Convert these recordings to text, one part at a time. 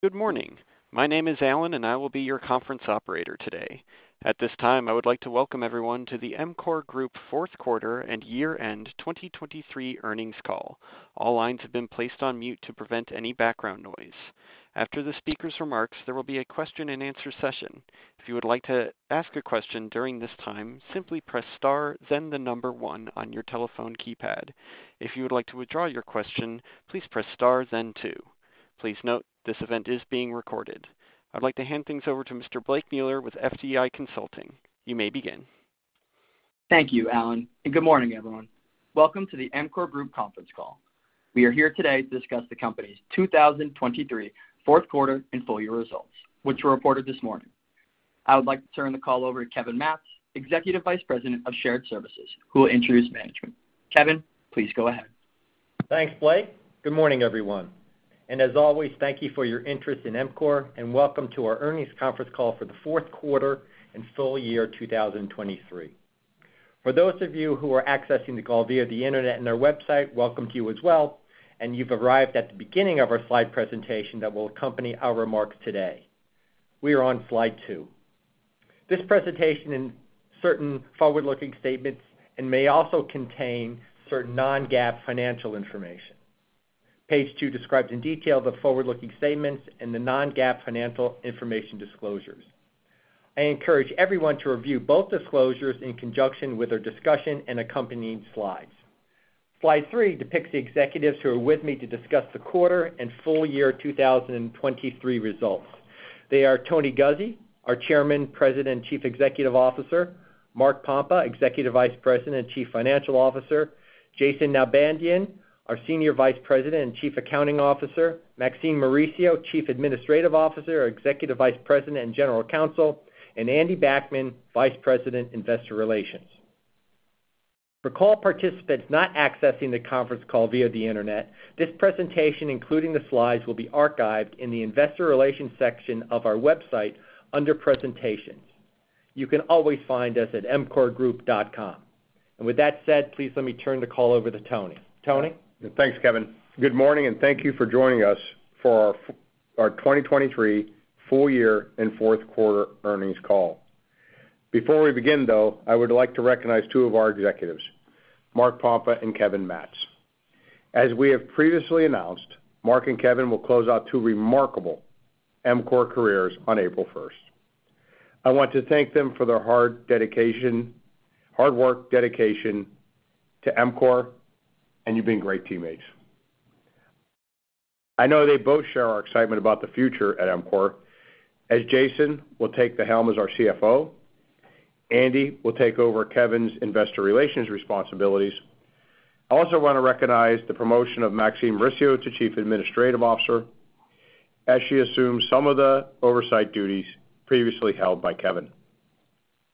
Good morning. My name is Alan, and I will be your conference operator today. At this time, I would like to welcome everyone to the EMCOR Group fourth quarter and year-end 2023 earnings call. All lines have been placed on mute to prevent any background noise. After the speaker's remarks, there will be a question-and-answer session. If you would like to ask a question during this time, simply press Star, then the number 1 on your telephone keypad. If you would like to withdraw your question, please press Star, then 2. Please note, this event is being recorded. I'd like to hand things over to Mr. Blake Mueller with FTI Consulting. You may begin. Thank you, Alan, and good morning, everyone. Welcome to the EMCOR Group conference call. We are here today to discuss the company's 2023 fourth quarter and full year results, which were reported this morning. I would like to turn the call over to Kevin Matz, Executive Vice President of Shared Services, who will introduce management. Kevin, please go ahead. Thanks, Blake. Good morning, everyone, and as always, thank you for your interest in EMCOR, and welcome to our earnings conference call for the fourth quarter and full year 2023. For those of you who are accessing the call via the internet and our website, welcome to you as well, and you've arrived at the beginning of our slide presentation that will accompany our remarks today. We are on slide 2. This presentation contains certain forward-looking statements and may also contain certain non-GAAP financial information. Page 2 describes in detail the forward-looking statements and the non-GAAP financial information disclosures. I encourage everyone to review both disclosures in conjunction with our discussion and accompanying slides. Slide 3 depicts the executives who are with me to discuss the quarter and full year 2023 results. They are Tony Guzzi, our Chairman, President, and Chief Executive Officer, Mark Pompa, Executive Vice President and Chief Financial Officer, Jason Nalbandian, our Senior Vice President and Chief Accounting Officer, Maxine Mauricio, Chief Administrative Officer, Executive Vice President, and General Counsel, and Andy Backman, Vice President, Investor Relations. For call participants not accessing the conference call via the internet, this presentation, including the slides, will be archived in the Investor Relations section of our website under Presentations. You can always find us at emcorgroup.com. With that said, please let me turn the call over to Tony. Tony? Thanks, Kevin. Good morning, and thank you for joining us for our 2023 full year and fourth quarter earnings call. Before we begin, though, I would like to recognize two of our executives, Mark Pompa and Kevin Matz. As we have previously announced, Mark and Kevin will close out two remarkable EMCOR careers on April first. I want to thank them for their hard work, dedication to EMCOR, and you've been great teammates. I know they both share our excitement about the future at EMCOR. As Jason will take the helm as our CFO, Andy will take over Kevin's investor relations responsibilities. I also want to recognize the promotion of Maxine Mauricio to Chief Administrative Officer as she assumes some of the oversight duties previously held by Kevin.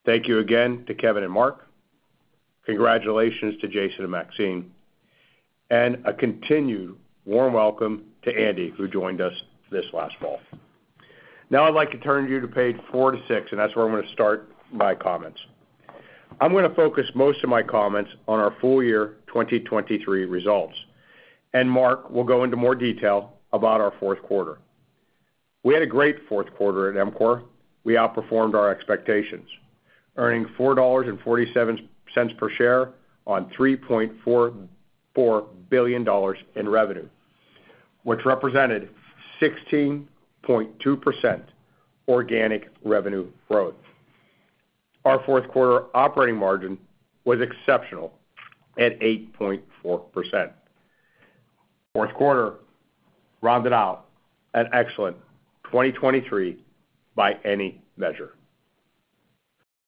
Thank you again to Kevin and Mark. Congratulations to Jason and Maxine, and a continued warm welcome to Andy, who joined us this last fall. Now, I'd like to turn you to page 4-6, and that's where I'm gonna start my comments. I'm gonna focus most of my comments on our full year 2023 results, and Mark will go into more detail about our fourth quarter. We had a great fourth quarter at EMCOR. We outperformed our expectations, earning $4.47 per share on $3.4 billion in revenue, which represented 16.2% organic revenue growth. Our fourth quarter operating margin was exceptional at 8.4%. Fourth quarter rounded out an excellent 2023 by any measure.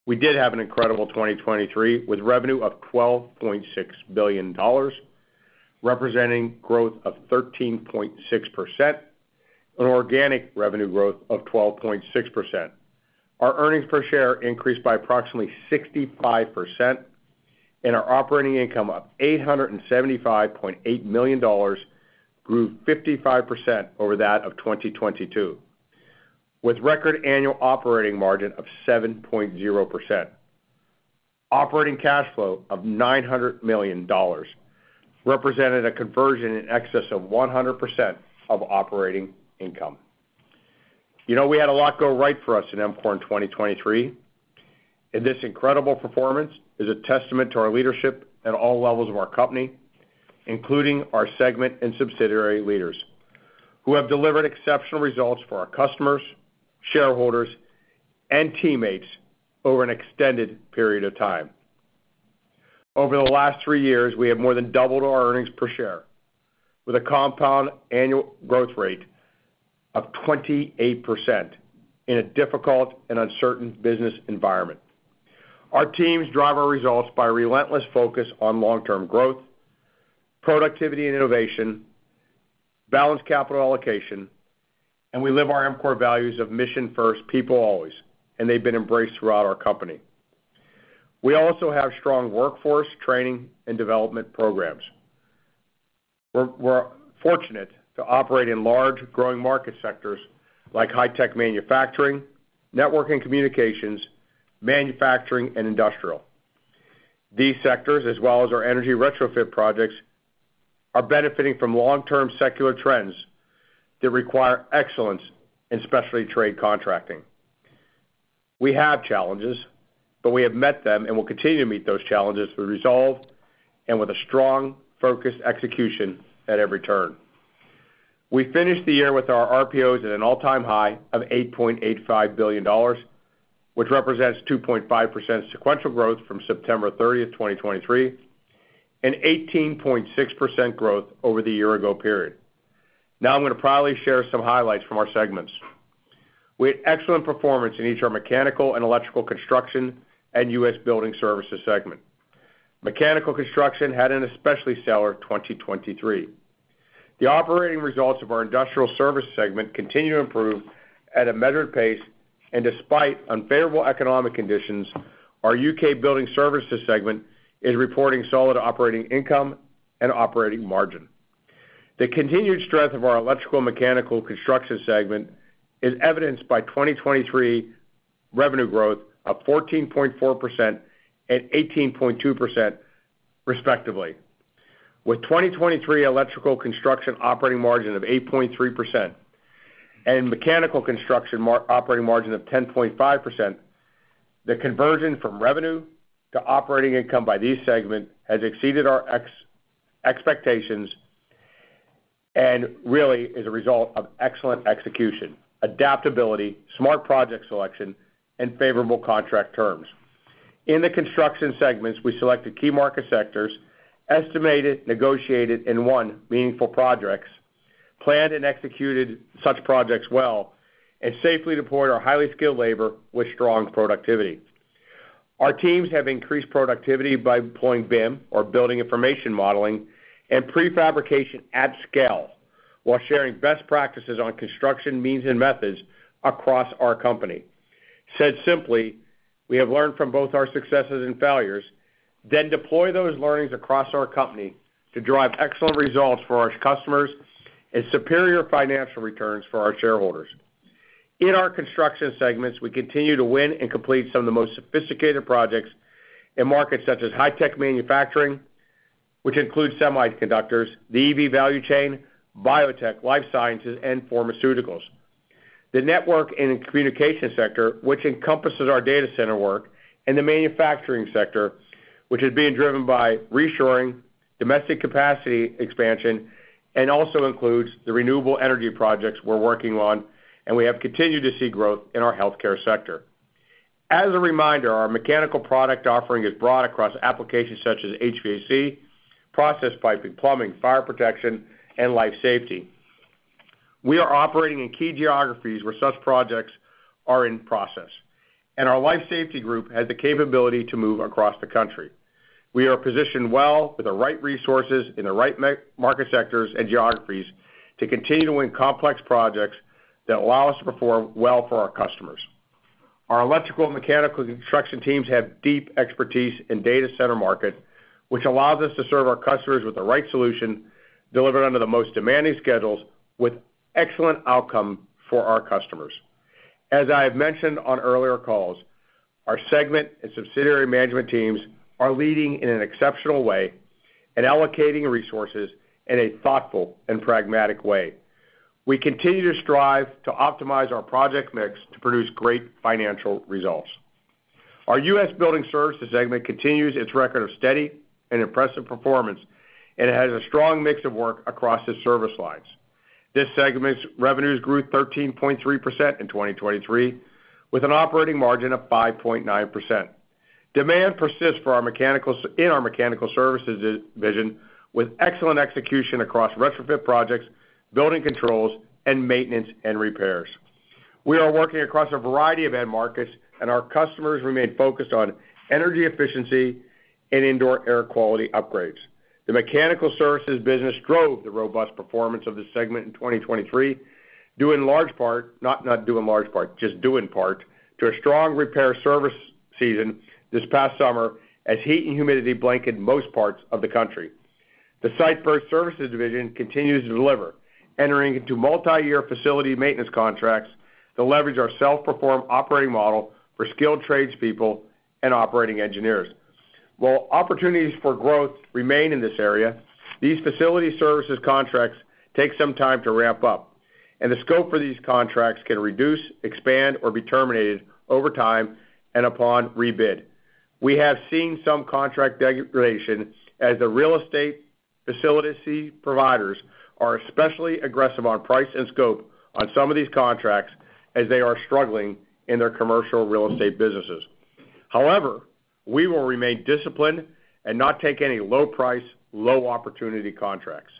We did have an incredible 2023, with revenue of $12.6 billion, representing growth of 13.6%, an organic revenue growth of 12.6%. Our earnings per share increased by approximately 65%, and our operating income of $875.8 million grew 55% over that of 2022, with record annual operating margin of 7.0%. Operating cash flow of $900 million represented a conversion in excess of 100% of operating income. You know, we had a lot go right for us in EMCOR in 2023, and this incredible performance is a testament to our leadership at all levels of our company, including our segment and subsidiary leaders, who have delivered exceptional results for our customers, shareholders, and teammates over an extended period of time. Over the last three years, we have more than doubled our earnings per share with a compound annual growth rate of 28% in a difficult and uncertain business environment. Our teams drive our results by relentless focus on long-term growth, productivity and innovation, balanced capital allocation, and we live our EMCOR values of Mission First, People Always, and they've been embraced throughout our company. We also have strong workforce training and development programs. We're fortunate to operate in large, growing market sectors like high-tech manufacturing, network and communications, manufacturing, and industrial.... These sectors, as well as our energy retrofit projects, are benefiting from long-term secular trends that require excellence in specialty trade contracting. We have challenges, but we have met them and will continue to meet those challenges with resolve and with a strong, focused execution at every turn. We finished the year with our RPOs at an all-time high of $8.85 billion, which represents 2.5% sequential growth from September 30, 2023, and 18.6% growth over the year ago period. Now I'm gonna proudly share some highlights from our segments. We had excellent performance in each of our Mechanical and Electrical Construction and U.S. building services segment. Mechanical Construction had an especially stellar 2023. The operating results of our Industrial Services segment continue to improve at a measured pace, and despite unfavorable economic conditions, our U.K. Building Services segment is reporting solid operating income and operating margin. The continued strength of our Electrical Mechanical Construction segment is evidenced by 2023 revenue growth of 14.4% and 18.2%, respectively, with 2023 electrical construction operating margin of 8.3% and mechanical construction operating margin of 10.5%. The conversion from revenue to operating income by these segments has exceeded our expectations and really is a result of excellent execution, adaptability, smart project selection, and favorable contract terms. In the construction segments, we selected key market sectors, estimated, negotiated, and won meaningful projects, planned and executed such projects well, and safely deployed our highly skilled labor with strong productivity. Our teams have increased productivity by deploying BIM, or Building Information Modeling, and prefabrication at scale, while sharing best practices on construction means and methods across our company. Said simply, we have learned from both our successes and failures, then deploy those learnings across our company to drive excellent results for our customers and superior financial returns for our shareholders. In our construction segments, we continue to win and complete some of the most sophisticated projects in markets such as high-tech manufacturing, which includes semiconductors, the EV value chain, biotech, life sciences, and pharmaceuticals. The network and communication sector, which encompasses our data center work and the manufacturing sector, which is being driven by reshoring, domestic capacity expansion, and also includes the renewable energy projects we're working on, and we have continued to see growth in our healthcare sector. As a reminder, our mechanical product offering is broad across applications such as HVAC, process piping, plumbing, fire protection, and life safety. We are operating in key geographies where such projects are in process, and our life safety group has the capability to move across the country. We are positioned well with the right resources in the right market sectors and geographies to continue to win complex projects that allow us to perform well for our customers. Our electrical and mechanical construction teams have deep expertise in data center market, which allows us to serve our customers with the right solution, delivered under the most demanding schedules, with excellent outcome for our customers. As I have mentioned on earlier calls, our segment and subsidiary management teams are leading in an exceptional way and allocating resources in a thoughtful and pragmatic way. We continue to strive to optimize our project mix to produce great financial results. Our U.S. Building Services segment continues its record of steady and impressive performance and has a strong mix of work across the service lines. This segment's revenues grew 13.3% in 2023, with an operating margin of 5.9%. Demand persists for our Mechanical Services division, with excellent execution across retrofit projects, building controls, and maintenance and repairs. We are working across a variety of end markets, and our customers remain focused on energy efficiency and indoor air quality upgrades. The mechanical services business drove the robust performance of this segment in 2023, due in large part, not, not due in large part, just due in part, to a strong repair service season this past summer, as heat and humidity blanketed most parts of the country. The Site-Based Services division continues to deliver, entering into multiyear facility maintenance contracts to leverage our self-performed operating model for skilled tradespeople and operating engineers. While opportunities for growth remain in this area, these facility services contracts take some time to ramp up, and the scope for these contracts can reduce, expand, or be terminated over time and upon rebid. We have seen some contract degradation as the real estate facility providers are especially aggressive on price and scope on some of these contracts as they are struggling in their commercial real estate businesses. However, we will remain disciplined and not take any low-price, low-opportunity contracts.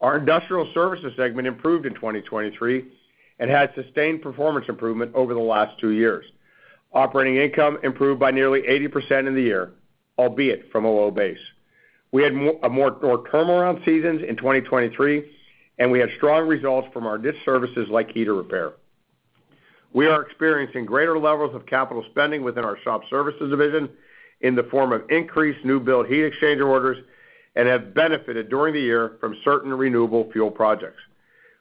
Our industrial services segment improved in 2023 and had sustained performance improvement over the last 2 years. Operating income improved by nearly 80% in the year, albeit from a low base. We had a more normal turnaround seasons in 2023, and we had strong results from our field services like heater repair. We are experiencing greater levels of capital spending within our Shop Services division in the form of increased new build heat exchanger orders and have benefited during the year from certain renewable fuel projects.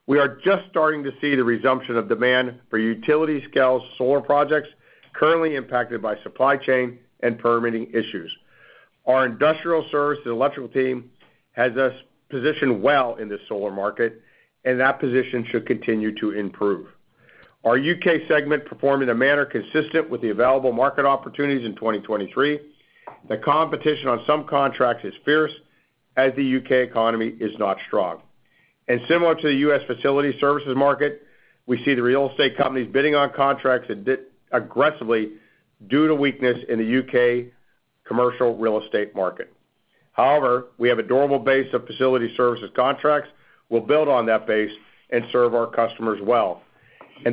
We are just starting to see the resumption of demand for utility-scale solar projects currently impacted by supply chain and permitting issues. Our industrial service and electrical team has us positioned well in this solar market, and that position should continue to improve. Our U.K. segment performed in a manner consistent with the available market opportunities in 2023. The competition on some contracts is fierce, as the U.K. economy is not strong. Similar to the U.S. facility services market, we see the real estate companies bidding aggressively on contracts due to weakness in the U.K. commercial real estate market. However, we have a durable base of facility services contracts. We'll build on that base and serve our customers well.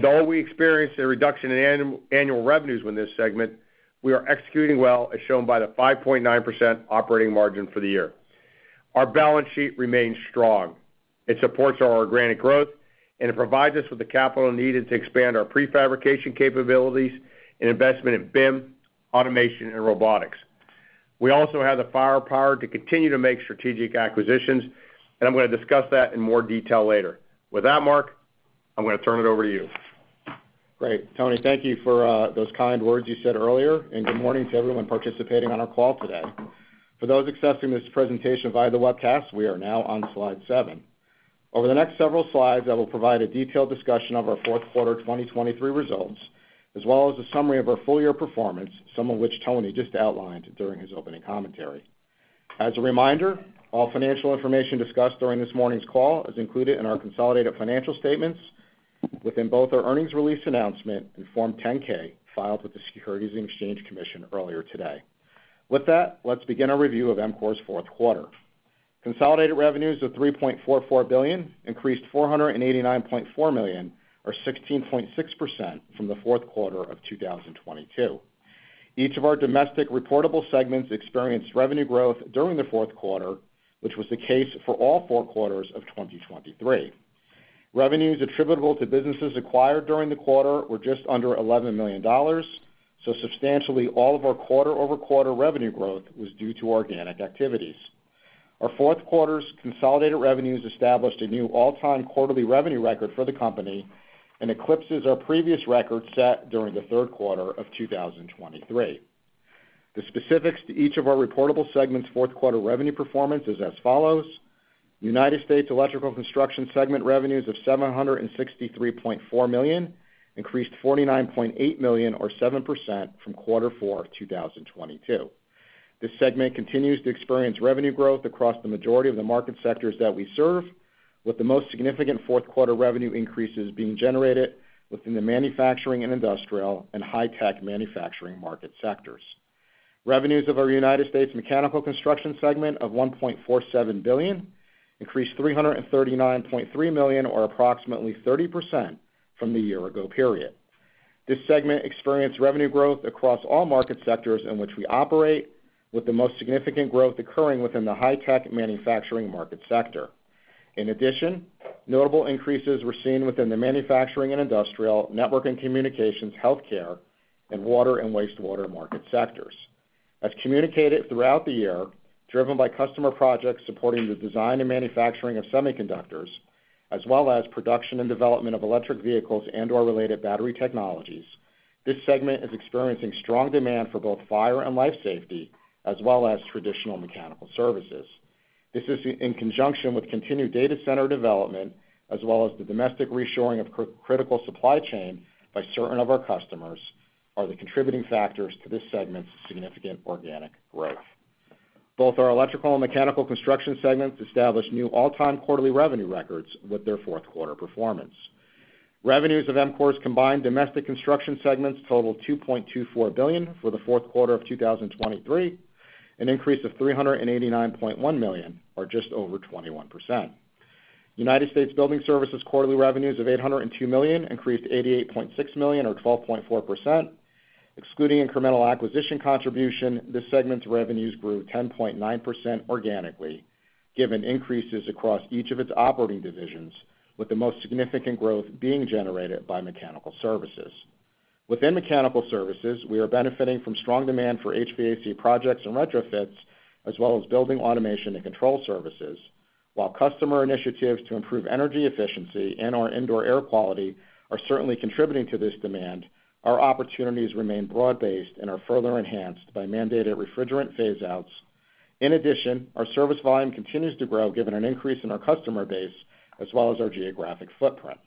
Though we experienced a reduction in annual revenues in this segment, we are executing well, as shown by the 5.9% operating margin for the year. Our balance sheet remains strong. It supports our organic growth, and it provides us with the capital needed to expand our prefabrication capabilities and investment in BIM, automation, and robotics. We also have the firepower to continue to make strategic acquisitions, and I'm going to discuss that in more detail later. With that, Mark, I'm going to turn it over to you. Great, Tony. Thank you for those kind words you said earlier, and good morning to everyone participating on our call today. For those accessing this presentation via the webcast, we are now on slide 7. Over the next several slides, I will provide a detailed discussion of our fourth quarter 2023 results, as well as a summary of our full year performance, some of which Tony just outlined during his opening commentary. As a reminder, all financial information discussed during this morning's call is included in our consolidated financial statements within both our earnings release announcement and Form 10-K, filed with the Securities and Exchange Commission earlier today. With that, let's begin our review of EMCOR's fourth quarter. Consolidated revenues of $3.44 billion, increased $489.4 million, or 16.6% from the fourth quarter of 2022. Each of our domestic reportable segments experienced revenue growth during the fourth quarter, which was the case for all four quarters of 2023. Revenues attributable to businesses acquired during the quarter were just under $11 million, so substantially all of our quarter-over-quarter revenue growth was due to organic activities. Our fourth quarter's consolidated revenues established a new all-time quarterly revenue record for the company and eclipses our previous record set during the third quarter of 2023. The specifics to each of our reportable segments' fourth quarter revenue performance is as follows: United States Electrical Construction segment revenues of $763.4 million, increased $49.8 million, or 7% from quarter four 2022. This segment continues to experience revenue growth across the majority of the market sectors that we serve, with the most significant fourth quarter revenue increases being generated within the manufacturing and industrial and high-tech manufacturing market sectors. Revenues of our United States Mechanical Construction segment of $1.47 billion increased $339.3 million, or approximately 30% from the year ago period. This segment experienced revenue growth across all market sectors in which we operate, with the most significant growth occurring within the high-tech manufacturing market sector. In addition, notable increases were seen within the manufacturing and industrial, network and communications, healthcare, and water and wastewater market sectors. As communicated throughout the year, driven by customer projects supporting the design and manufacturing of semiconductors, as well as production and development of electric vehicles and/or related battery technologies, this segment is experiencing strong demand for both fire and life safety, as well as traditional mechanical services. This is in conjunction with continued data center development, as well as the domestic reshoring of critical supply chain by certain of our customers, are the contributing factors to this segment's significant organic growth. Both our electrical and mechanical construction segments established new all-time quarterly revenue records with their fourth quarter performance. Revenues of EMCOR's combined domestic construction segments totaled $2.24 billion for the fourth quarter of 2023, an increase of $389.1 million, or just over 21%. United States building services quarterly revenues of $802 million increased $88.6 million, or 12.4%. Excluding incremental acquisition contribution, this segment's revenues grew 10.9% organically, given increases across each of its operating divisions, with the most significant growth being generated by mechanical services. Within mechanical services, we are benefiting from strong demand for HVAC projects and retrofits, as well as building automation and control services. While customer initiatives to improve energy efficiency and/or indoor air quality are certainly contributing to this demand, our opportunities remain broad-based and are further enhanced by mandated refrigerant phase outs. In addition, our service volume continues to grow, given an increase in our customer base as well as our geographic footprint.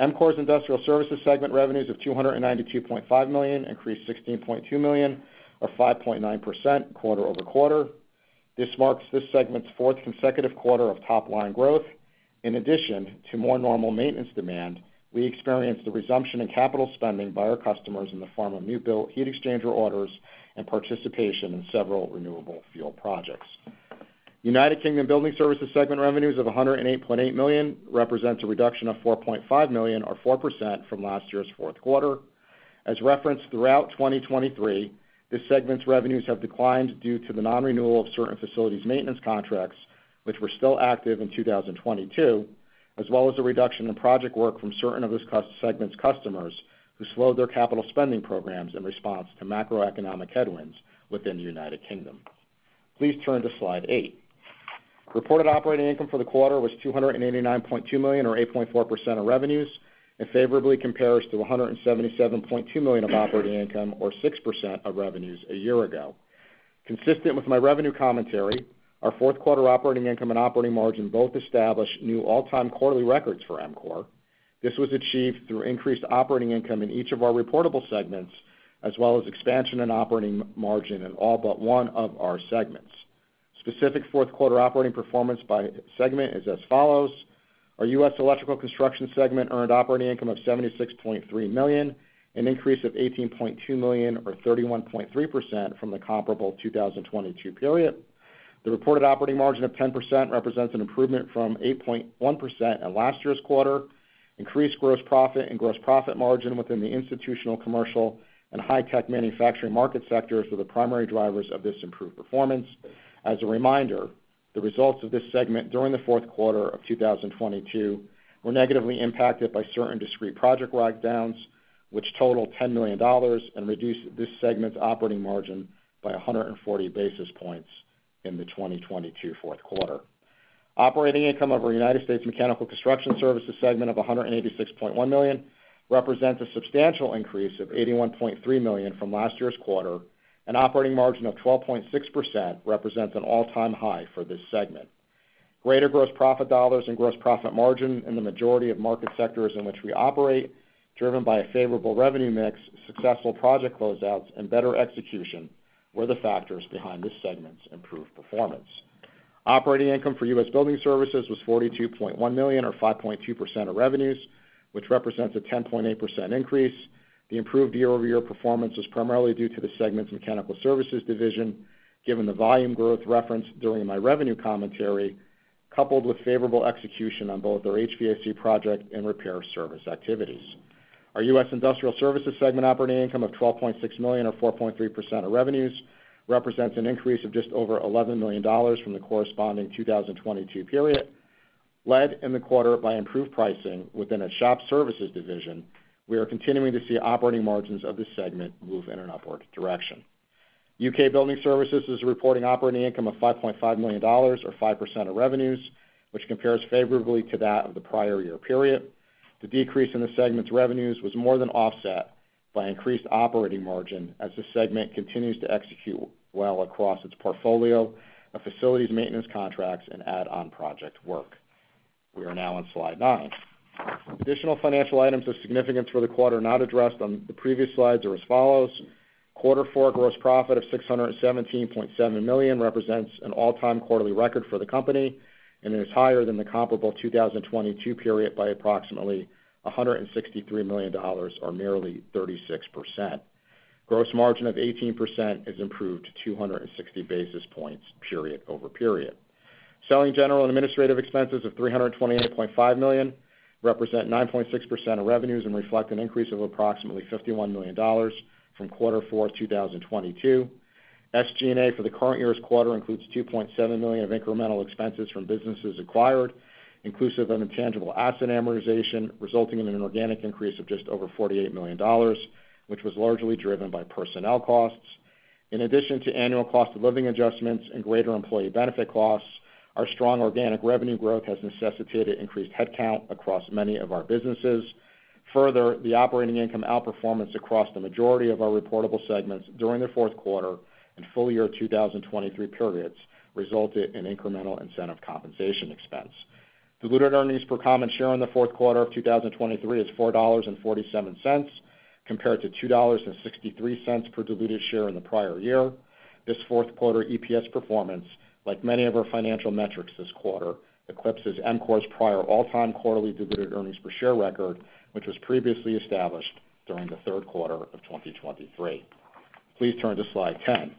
EMCOR's industrial services segment revenues of $292.5 million increased $16.2 million, or 5.9% quarter-over-quarter. This marks this segment's fourth consecutive quarter of top-line growth. In addition to more normal maintenance demand, we experienced the resumption in capital spending by our customers in the form of new build heat exchanger orders and participation in several renewable fuel projects. United Kingdom building services segment revenues of $108.8 million represents a reduction of $4.5 million, or 4%, from last year's fourth quarter. As referenced throughout 2023, this segment's revenues have declined due to the non-renewal of certain facilities maintenance contracts, which were still active in 2022, as well as a reduction in project work from certain of this segment's customers who slowed their capital spending programs in response to macroeconomic headwinds within the United Kingdom. Please turn to Slide 8. Reported operating income for the quarter was $289.2 million, or 8.4% of revenues, and favorably compares to $177.2 million of operating income or 6% of revenues a year ago. Consistent with my revenue commentary, our fourth quarter operating income and operating margin both established new all-time quarterly records for EMCOR. This was achieved through increased operating income in each of our reportable segments, as well as expansion in operating margin in all but one of our segments. Specific fourth quarter operating performance by segment is as follows: Our U.S. Electrical Construction segment earned operating income of $76.3 million, an increase of $18.2 million, or 31.3% from the comparable 2022 period. The reported operating margin of 10% represents an improvement from 8.1% in last year's quarter. Increased gross profit and gross profit margin within the institutional, commercial, and high-tech manufacturing market sectors were the primary drivers of this improved performance. As a reminder, the results of this segment during the fourth quarter of 2022 were negatively impacted by certain discrete project write-downs, which totaled $10 million and reduced this segment's operating margin by 140 basis points in the 2022 fourth quarter. Operating income of our United States Mechanical Construction Services segment of $186.1 million represents a substantial increase of $81.3 million from last year's quarter, and operating margin of 12.6% represents an all-time high for this segment. Greater gross profit dollars and gross profit margin in the majority of market sectors in which we operate, driven by a favorable revenue mix, successful project closeouts, and better execution, were the factors behind this segment's improved performance. Operating income for U.S. Building Services was $42.1 million, or 5.2% of revenues, which represents a 10.8% increase. The improved year-over-year performance was primarily due to the segment's mechanical services division, given the volume growth referenced during my revenue commentary, coupled with favorable execution on both our HVAC project and repair service activities. Our U.S. Industrial Services segment operating income of $12.6 million, or 4.3% of revenues, represents an increase of just over $11 million from the corresponding 2022 period, led in the quarter by improved pricing within a shop services division. We are continuing to see operating margins of this segment move in an upward direction. UK Building Services is reporting operating income of $5.5 million or 5% of revenues, which compares favorably to that of the prior year period. The decrease in the segment's revenues was more than offset by increased operating margin, as the segment continues to execute well across its portfolio of facilities, maintenance contracts, and add-on project work. We are now on Slide 9. Additional financial items of significance for the quarter not addressed on the previous slides are as follows: quarter four gross profit of $617.7 million represents an all-time quarterly record for the company and is higher than the comparable 2022 period by approximately $163 million, or nearly 36%. Gross margin of 18% is improved to 260 basis points period over period. Selling, general and administrative expenses of $328.5 million represent 9.6% of revenues and reflect an increase of approximately $51 million from quarter four, 2022. SG&A for the current year's quarter includes $2.7 million of incremental expenses from businesses acquired, inclusive of intangible asset amortization, resulting in an organic increase of just over $48 million, which was largely driven by personnel costs. In addition to annual cost of living adjustments and greater employee benefit costs, our strong organic revenue growth has necessitated increased headcount across many of our businesses. Further, the operating income outperformance across the majority of our reportable segments during the fourth quarter and full year 2023 periods resulted in incremental incentive compensation expense. Diluted earnings per common share in the fourth quarter of 2023 is $4.47, compared to $2.63 per diluted share in the prior year. This fourth quarter EPS performance, like many of our financial metrics this quarter, eclipses EMCOR's prior all-time quarterly diluted earnings per share record, which was previously established during the third quarter of 2023. Please turn to Slide 10.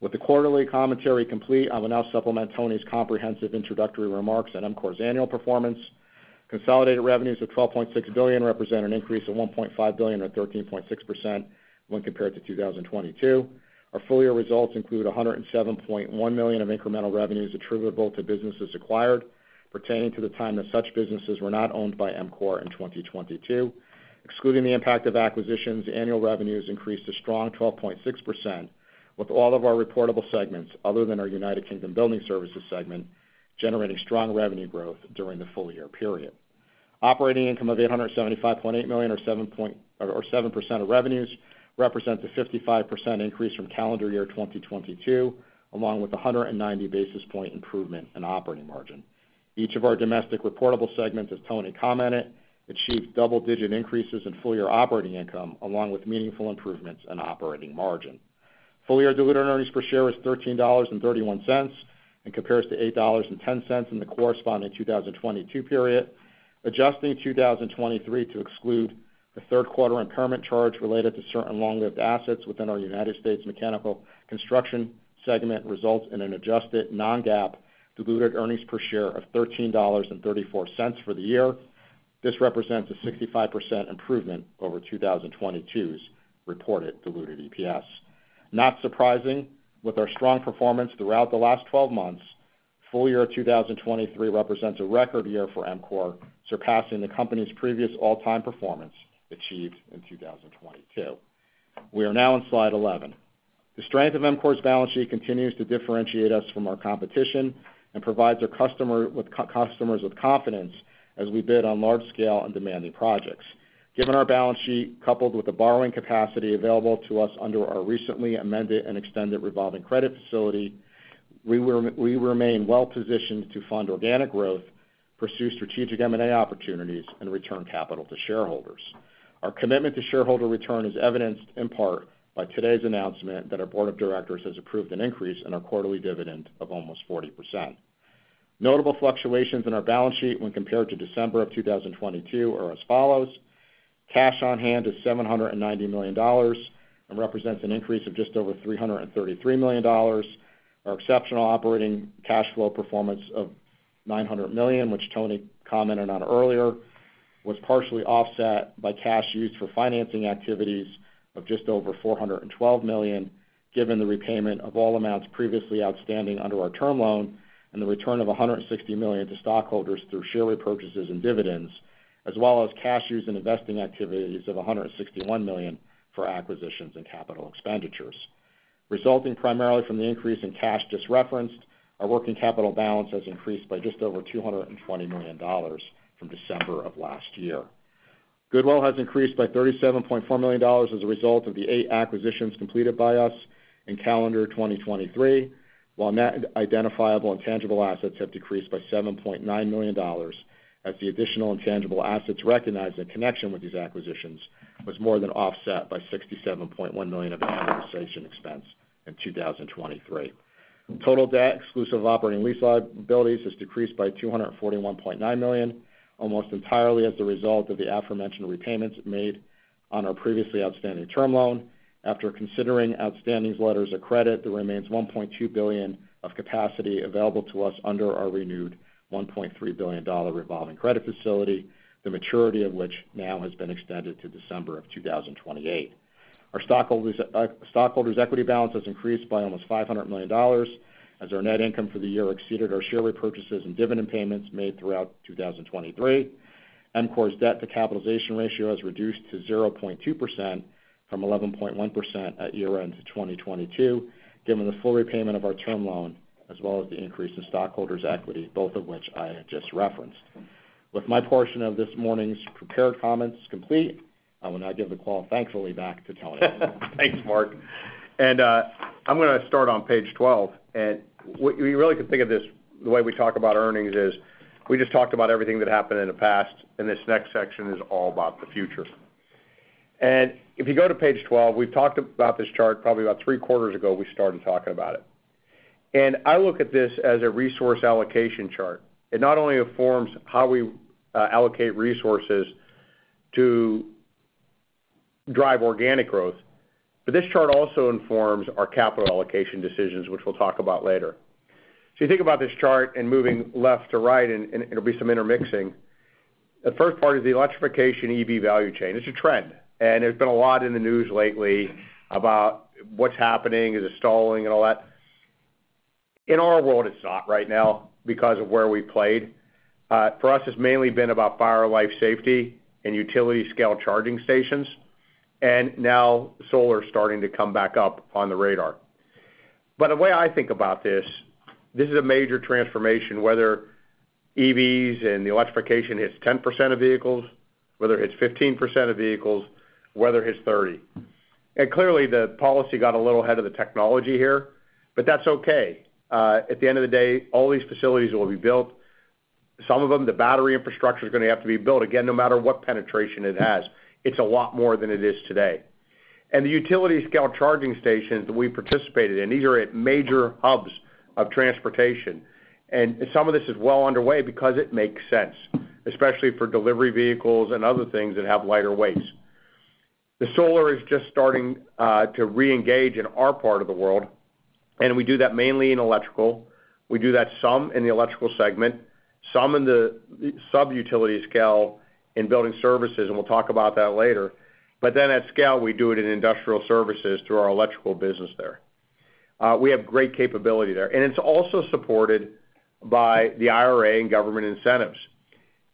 With the quarterly commentary complete, I will now supplement Tony's comprehensive introductory remarks on EMCOR's annual performance. Consolidated revenues of $12.6 billion represent an increase of $1.5 billion, or 13.6%, when compared to 2022. Our full-year results include $107.1 million of incremental revenues attributable to businesses acquired pertaining to the time that such businesses were not owned by EMCOR in 2022. Excluding the impact of acquisitions, annual revenues increased a strong 12.6%, with all of our reportable segments, other than our United Kingdom Building Services segment, generating strong revenue growth during the full year period. Operating income of $875.8 million, or 7% of revenues, represents a 55% increase from calendar year 2022, along with a 190 basis point improvement in operating margin. Each of our domestic reportable segments, as Tony commented, achieved double-digit increases in full-year operating income, along with meaningful improvements in operating margin. Full-year diluted earnings per share is $13.31, and compares to $8.10 in the corresponding 2022 period. Adjusting 2023 to exclude the third quarter impairment charge related to certain long-lived assets within our United States Mechanical Construction segment, results in an adjusted non-GAAP diluted earnings per share of $13.34 for the year. This represents a 65% improvement over 2022's reported diluted EPS. Not surprising, with our strong performance throughout the last 12 months. Full year 2023 represents a record year for EMCOR, surpassing the company's previous all-time performance achieved in 2022. We are now on slide 11. The strength of EMCOR's balance sheet continues to differentiate us from our competition and provides our customer with--customers with confidence as we bid on large-scale and demanding projects. Given our balance sheet, coupled with the borrowing capacity available to us under our recently amended and extended revolving credit facility, we remain well-positioned to fund organic growth, pursue strategic M&A opportunities, and return capital to shareholders. Our commitment to shareholder return is evidenced in part by today's announcement that our board of directors has approved an increase in our quarterly dividend of almost 40%. Notable fluctuations in our balance sheet when compared to December of 2022 are as follows: cash on hand is $790 million and represents an increase of just over $333 million. Our exceptional operating cash flow performance of $900 million, which Tony commented on earlier, was partially offset by cash used for financing activities of just over $412 million, given the repayment of all amounts previously outstanding under our term loan and the return of $160 million to stockholders through share repurchases and dividends, as well as cash used in investing activities of $161 million for acquisitions and capital expenditures. Resulting primarily from the increase in cash just referenced, our working capital balance has increased by just over $220 million from December of last year. Goodwill has increased by $37.4 million as a result of the 8 acquisitions completed by us in calendar 2023, while net identifiable and tangible assets have decreased by $7.9 million, as the additional intangible assets recognized in connection with these acquisitions was more than offset by $67.1 million of amortization expense in 2023. Total debt, exclusive of operating lease liabilities, has decreased by $241.9 million, almost entirely as a result of the aforementioned repayments made on our previously outstanding term loan. After considering outstanding letters of credit, there remains $1.2 billion of capacity available to us under our renewed $1.3 billion dollar revolving credit facility, the maturity of which now has been extended to December of 2028. Our stockholders, stockholders' equity balance has increased by almost $500 million, as our net income for the year exceeded our share repurchases and dividend payments made throughout 2023. EMCOR's debt to capitalization ratio has reduced to 0.2% from 11.1% at year-end 2022, given the full repayment of our term loan, as well as the increase in stockholders' equity, both of which I have just referenced. With my portion of this morning's prepared comments complete, I will now give the call, thankfully, back to Tony. Thanks, Mark. And, I'm gonna start on page 12, and what... You really can think of this, the way we talk about earnings is, we just talked about everything that happened in the past, and this next section is all about the future. And if you go to page 12, we've talked about this chart, probably about three quarters ago, we started talking about it. And I look at this as a resource allocation chart. It not only informs how we, allocate resources to drive organic growth, but this chart also informs our capital allocation decisions, which we'll talk about later. So you think about this chart and moving left to right, and, and there'll be some intermixing. The first part is the electrification EV value chain. It's a trend, and there's been a lot in the news lately about what's happening, is it stalling and all that. In our world, it's not right now because of where we played. For us, it's mainly been about fire life safety and utility scale charging stations, and now solar is starting to come back up on the radar. But the way I think about this, this is a major transformation, whether EVs and the electrification hits 10% of vehicles, whether it hits 15% of vehicles, whether it hits 30%. And clearly, the policy got a little ahead of the technology here, but that's okay. At the end of the day, all these facilities will be built. Some of them, the battery infrastructure is gonna have to be built. Again, no matter what penetration it has, it's a lot more than it is today. And the utility scale charging stations that we participated in, these are at major hubs of transportation. Some of this is well underway because it makes sense, especially for delivery vehicles and other things that have lighter weights. The solar is just starting to reengage in our part of the world, and we do that mainly in electrical. We do that some in the electrical segment, some in the sub-utility scale in building services, and we'll talk about that later. But then at scale, we do it in industrial services through our electrical business there. We have great capability there, and it's also supported by the IRA and government incentives.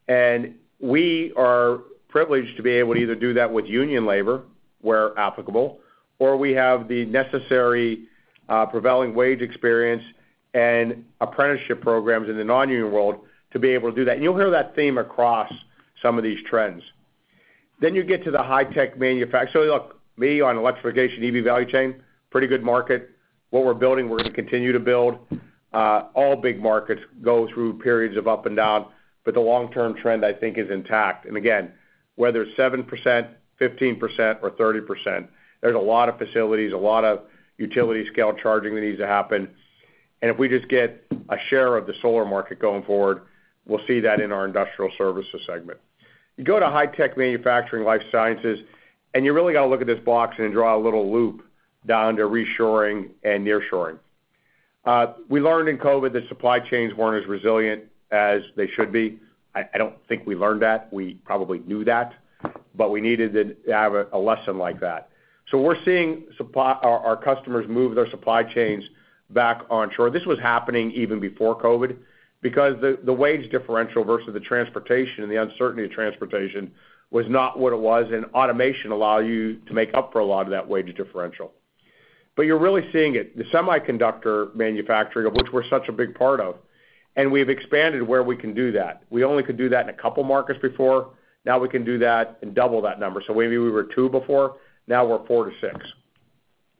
And we are privileged to be able to either do that with union labor, where applicable, or we have the necessary prevailing wage experience and apprenticeship programs in the non-union world to be able to do that. And you'll hear that theme across some of these trends. Then you get to the high-tech manufacture. So look, me on electrification, EV value chain, pretty good market. What we're building, we're going to continue to build. All big markets go through periods of up and down, but the long-term trend, I think, is intact. And again, whether it's 7%, 15%, or 30%, there's a lot of facilities, a lot of utility scale charging that needs to happen. And if we just get a share of the solar market going forward, we'll see that in our industrial services segment. You go to high-tech manufacturing, life sciences, and you really got to look at this box and draw a little loop down to reshoring and nearshoring... We learned in COVID that supply chains weren't as resilient as they should be. I don't think we learned that. We probably knew that, but we needed to have a lesson like that. So we're seeing our customers move their supply chains back onshore. This was happening even before COVID, because the wage differential versus the transportation and the uncertainty of transportation was not what it was, and automation allow you to make up for a lot of that wage differential. But you're really seeing it. The semiconductor manufacturing, of which we're such a big part of, and we've expanded where we can do that. We only could do that in a couple markets before, now we can do that and double that number. So maybe we were 2 before, now we're 4-6.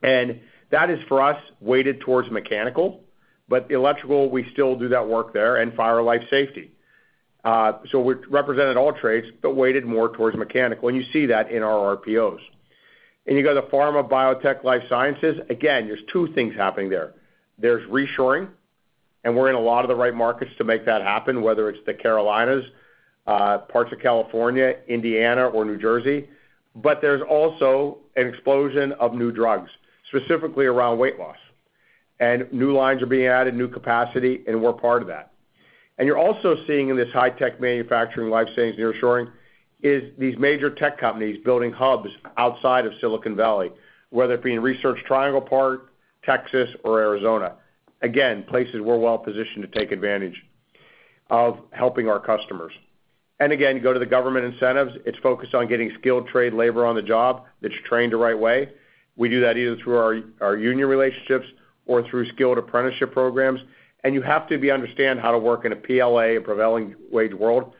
And that is, for us, weighted towards mechanical, but electrical, we still do that work there, and fire-life safety. So we're represented in all trades, but weighted more towards mechanical, and you see that in our RPOs. And you go to the pharma, biotech, life sciences, again, there's two things happening there. There's reshoring, and we're in a lot of the right markets to make that happen, whether it's the Carolinas, parts of California, Indiana, or New Jersey. But there's also an explosion of new drugs, specifically around weight loss, and new lines are being added, new capacity, and we're part of that. And you're also seeing in this high-tech manufacturing, life science, nearshoring, is these major tech companies building hubs outside of Silicon Valley, whether it be in Research Triangle Park, Texas, or Arizona. Again, places we're well positioned to take advantage of helping our customers. And again, you go to the government incentives; it's focused on getting skilled trade labor on the job that's trained the right way. We do that either through our union relationships or through skilled apprenticeship programs, and you have to understand how to work in a PLA, a prevailing wage world.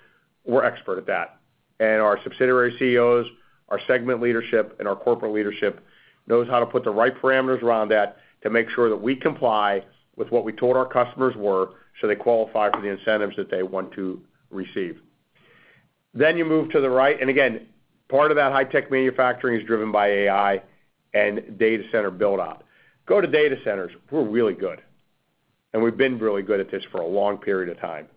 We're expert at that, and our subsidiary CEOs, our segment leadership, and our corporate leadership knows how to put the right parameters around that to make sure that we comply with what we told our customers we're, so they qualify for the incentives that they want to receive. Then you move to the right, and again, part of that high-tech manufacturing is driven by AI and data center build out. Go to data centers; we're really good, and we've been really good at this for a long period of time.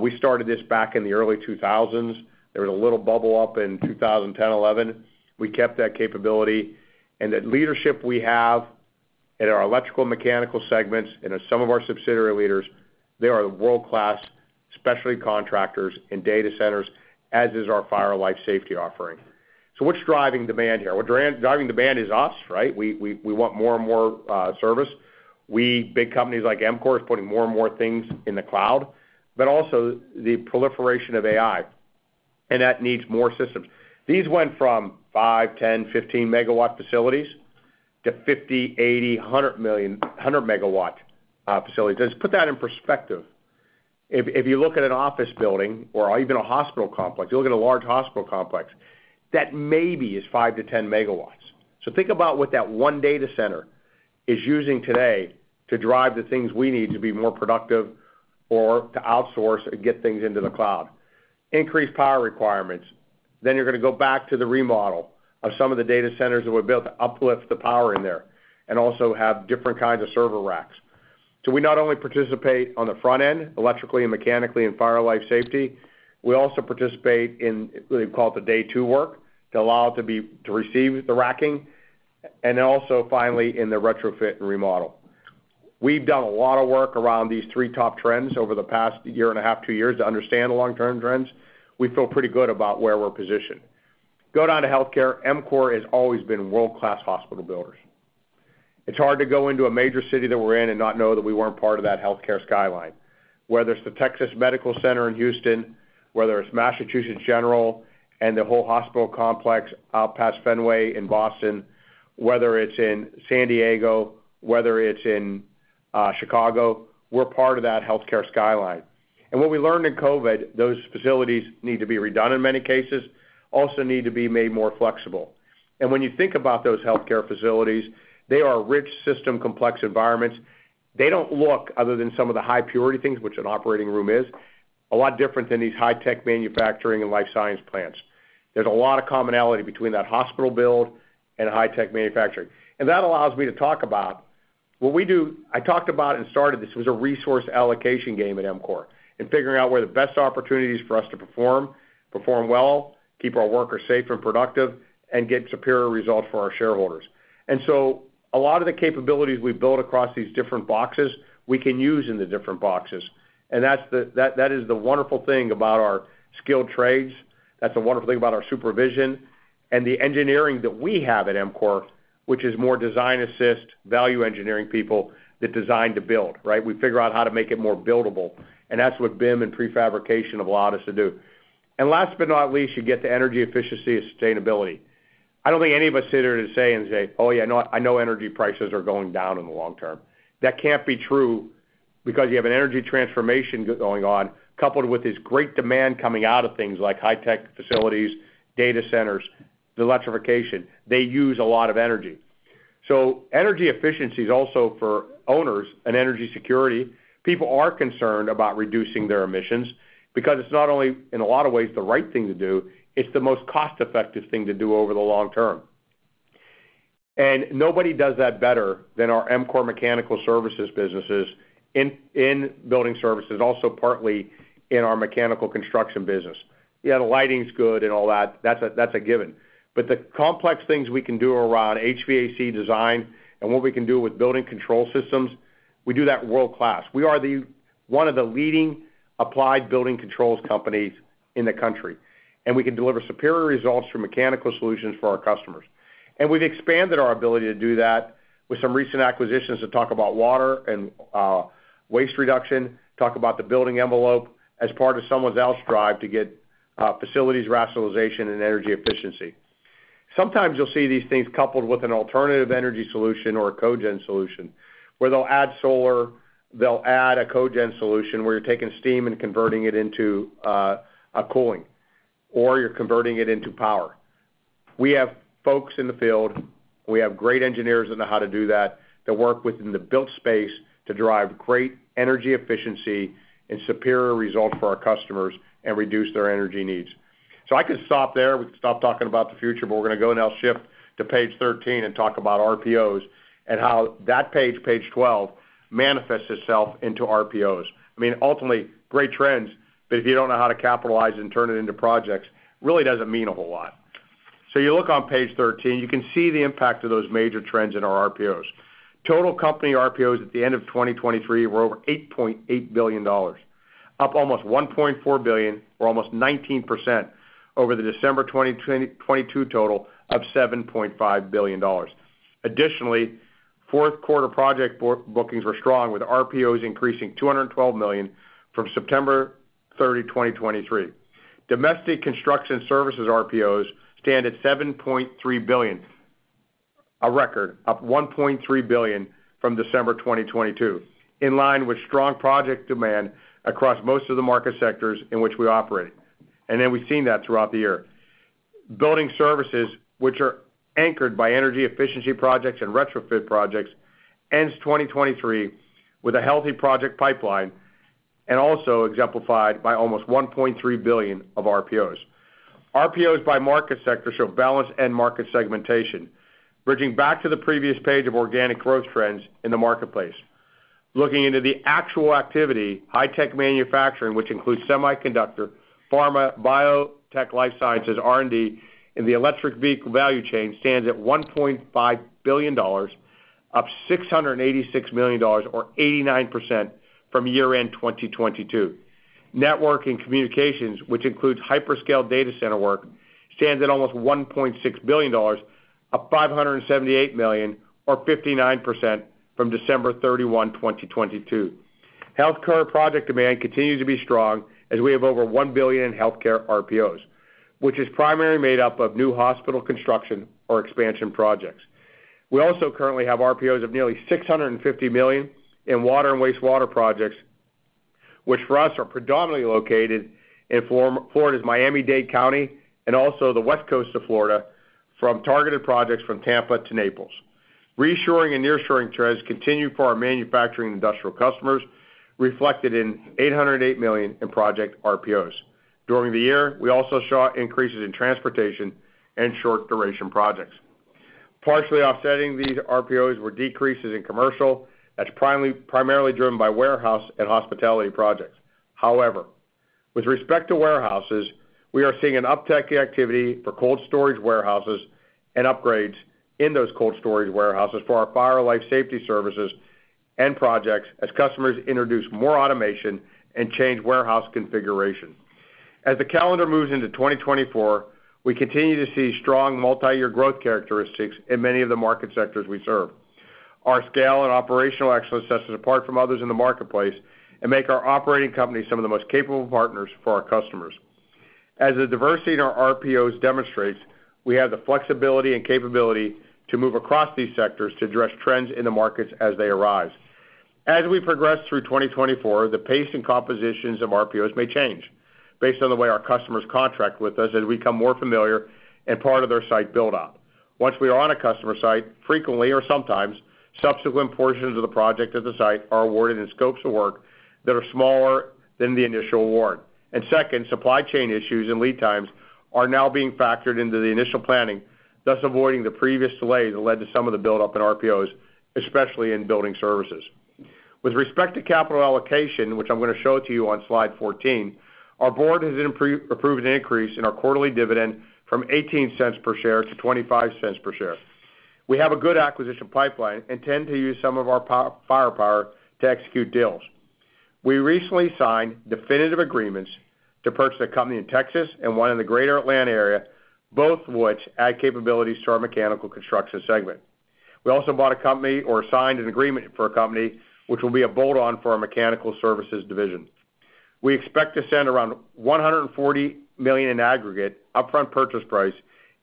We started this back in the early 2000s. There was a little bubble up in 2010, '11. We kept that capability, and the leadership we have in our electrical and mechanical segments, and in some of our subsidiary leaders, they are world-class, specialty contractors in data centers, as is our fire and life safety offering. So what's driving demand here? Driving demand is us, right? We want more and more service. Big companies like EMCOR is putting more and more things in the cloud, but also the proliferation of AI, and that needs more systems. These went from 5, 10, 15 megawatt facilities to 50, 80, 100 megawatt facilities. Let's put that in perspective. If you look at an office building or even a hospital complex, you look at a large hospital complex, that maybe is 5-10 megawatts. So think about what that one data center is using today to drive the things we need to be more productive or to outsource and get things into the cloud. Increased power requirements, then you're gonna go back to the remodel of some of the data centers, and we're able to uplift the power in there, and also have different kinds of server racks. So we not only participate on the front end, electrically and mechanically, in fire and life safety, we also participate in what we call the day two work, to allow it to be to receive the racking, and then also finally in the retrofit and remodel. We've done a lot of work around these three top trends over the past year and a half, two years, to understand the long-term trends. We feel pretty good about where we're positioned. Go down to healthcare. EMCOR has always been world-class hospital builders. It's hard to go into a major city that we're in and not know that we weren't part of that healthcare skyline. Whether it's the Texas Medical Center in Houston, whether it's Massachusetts General and the whole hospital complex out past Fenway in Boston, whether it's in San Diego, whether it's in Chicago, we're part of that healthcare skyline. And what we learned in COVID, those facilities need to be redone in many cases, also need to be made more flexible. And when you think about those healthcare facilities, they are rich system, complex environments. They don't look, other than some of the high purity things, which an operating room is, a lot different than these high-tech manufacturing and life science plants. There's a lot of commonality between that hospital build and high-tech manufacturing. And that allows me to talk about what we do... I talked about and started, this was a resource allocation game at EMCOR, and figuring out where the best opportunities for us to perform, perform well, keep our workers safe and productive, and get superior results for our shareholders. And so a lot of the capabilities we build across these different boxes, we can use in the different boxes, and that's the-- that, that is the wonderful thing about our skilled trades, that's the wonderful thing about our supervision, and the engineering that we have at EMCOR, which is more design assist, value engineering people that design to build, right? We figure out how to make it more buildable, and that's what BIM and prefabrication have allowed us to do. And last but not least, you get to energy efficiency and sustainability. I don't think any of us sit here to say and say, "Oh, yeah, I know, I know energy prices are going down in the long term." That can't be true, because you have an energy transformation going on, coupled with this great demand coming out of things like high-tech facilities, data centers, the electrification. They use a lot of energy. So energy efficiency is also for owners and energy security. People are concerned about reducing their emissions, because it's not only, in a lot of ways, the right thing to do, it's the most cost-effective thing to do over the long term. And nobody does that better than our EMCOR Mechanical Services businesses-... In building services, also partly in our mechanical construction business. Yeah, the lighting's good and all that, that's a given. But the complex things we can do around HVAC design and what we can do with building control systems, we do that world-class. We are the one of the leading applied building controls companies in the country, and we can deliver superior results through mechanical solutions for our customers. And we've expanded our ability to do that with some recent acquisitions to talk about water and waste reduction, talk about the building envelope as part of someone else's drive to get facilities rationalization and energy efficiency. Sometimes you'll see these things coupled with an alternative energy solution or a cogen solution, where they'll add solar, they'll add a cogen solution, where you're taking steam and converting it into a cooling, or you're converting it into power. We have folks in the field, we have great engineers that know how to do that, that work within the built space to drive great energy efficiency and superior results for our customers and reduce their energy needs. So I could stop there. We could stop talking about the future, but we're gonna go now shift to page 13 and talk about RPOs and how that page, page 12, manifests itself into RPOs. I mean, ultimately, great trends, but if you don't know how to capitalize and turn it into projects, really doesn't mean a whole lot. So you look on page 13, you can see the impact of those major trends in our RPOs. Total company RPOs at the end of 2023 were over $8.8 billion, up almost $1.4 billion, or almost 19% over the December 2022 total of $7.5 billion. Additionally, fourth quarter project bookings were strong, with RPOs increasing $212 million from September 30, 2023. Domestic construction services RPOs stand at $7.3 billion, a record, up $1.3 billion from December 2022, in line with strong project demand across most of the market sectors in which we operate, and then we've seen that throughout the year. Building services, which are anchored by energy efficiency projects and retrofit projects, ends 2023 with a healthy project pipeline, and also exemplified by almost $1.3 billion of RPOs. RPOs by market sector show balance and market segmentation, bridging back to the previous page of organic growth trends in the marketplace. Looking into the actual activity, high tech manufacturing, which includes semiconductor, pharma, biotech, life sciences, R&D, and the electric vehicle value chain, stands at $1.5 billion, up $686 million or 89% from year-end 2022. Network and communications, which includes hyperscale data center work, stands at almost $1.6 billion, up $578 million, or 59% from December 31, 2022. Healthcare project demand continues to be strong, as we have over $1 billion in healthcare RPOs, which is primarily made up of new hospital construction or expansion projects. We also currently have RPOs of nearly $650 million in water and wastewater projects, which for us, are predominantly located in Florida's Miami-Dade County and also the West Coast of Florida, from targeted projects from Tampa to Naples. Reshoring and nearshoring trends continue for our manufacturing industrial customers, reflected in $808 million in project RPOs. During the year, we also saw increases in transportation and short-duration projects. Partially offsetting these RPOs were decreases in commercial, that's primarily driven by warehouse and hospitality projects. However, with respect to warehouses, we are seeing an uptick in activity for cold storage warehouses and upgrades in those cold storage warehouses for our fire life safety services and projects as customers introduce more automation and change warehouse configuration. As the calendar moves into 2024, we continue to see strong multiyear growth characteristics in many of the market sectors we serve. Our scale and operational excellence sets us apart from others in the marketplace and make our operating companies some of the most capable partners for our customers. As the diversity in our RPOs demonstrates, we have the flexibility and capability to move across these sectors to address trends in the markets as they arise. As we progress through 2024, the pace and compositions of RPOs may change based on the way our customers contract with us as we become more familiar and part of their site build-up. Once we are on a customer site, frequently or sometimes, subsequent portions of the project at the site are awarded in scopes of work that are smaller than the initial award. Second, supply chain issues and lead times are now being factored into the initial planning, thus avoiding the previous delays that led to some of the build-up in RPOs, especially in building services. With respect to capital allocation, which I'm gonna show to you on slide 14, our board has approved an increase in our quarterly dividend from $0.18 per share to $0.25 per share. We have a good acquisition pipeline and tend to use some of our firepower to execute deals. We recently signed definitive agreements to purchase a company in Texas and one in the Greater Atlanta area, both of which add capabilities to our mechanical construction segment. We also bought a company or signed an agreement for a company which will be a bolt-on for our mechanical services division. We expect to send around $140 million in aggregate upfront purchase price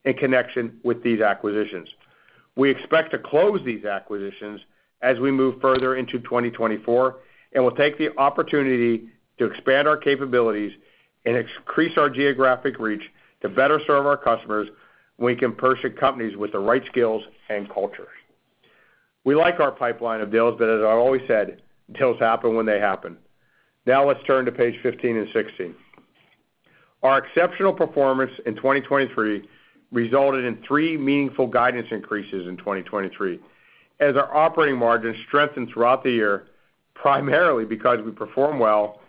in connection with these acquisitions. We expect to close these acquisitions as we move further into 2024, and we'll take the opportunity to expand our capabilities and increase our geographic reach to better serve our customers when we can purchase companies with the right skills and cultures. We like our pipeline of deals, but as I've always said, deals happen when they happen. Now let's turn to page 15 and 16.... Our exceptional performance in 2023 resulted in three meaningful guidance increases in 2023, as our operating margin strengthened throughout the year, primarily because we performed well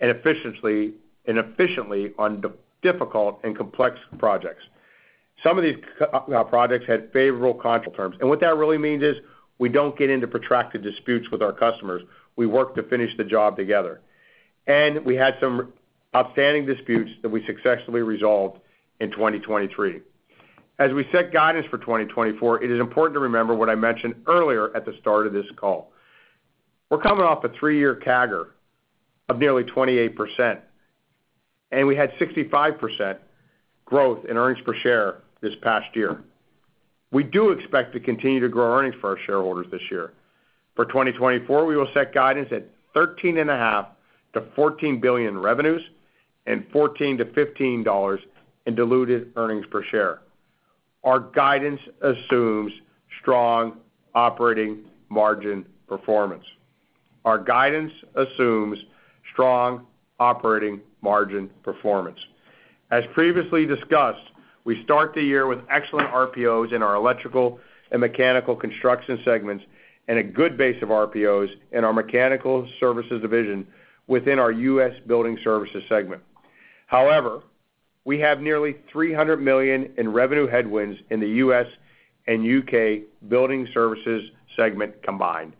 and efficiently, and efficiently on difficult and complex projects. Some of these projects had favorable contract terms, and what that really means is we don't get into protracted disputes with our customers. We work to finish the job together. We had some outstanding disputes that we successfully resolved in 2023. As we set guidance for 2024, it is important to remember what I mentioned earlier at the start of this call. We're coming off a 3-year CAGR of nearly 28%, and we had 65% growth in earnings per share this past year. We do expect to continue to grow earnings for our shareholders this year. For 2024, we will set guidance at $13.5 billion-$14 billion revenues and $14-$15 in diluted earnings per share. Our guidance assumes strong operating margin performance. Our guidance assumes strong operating margin performance. As previously discussed, we start the year with excellent RPOs in our Electrical and Mechanical Construction segments, and a good base of RPOs in our Mechanical Services division within our US Building Services segment. However, we have nearly $300 million in revenue headwinds in the U.S. and U.K. Building Services segment combined.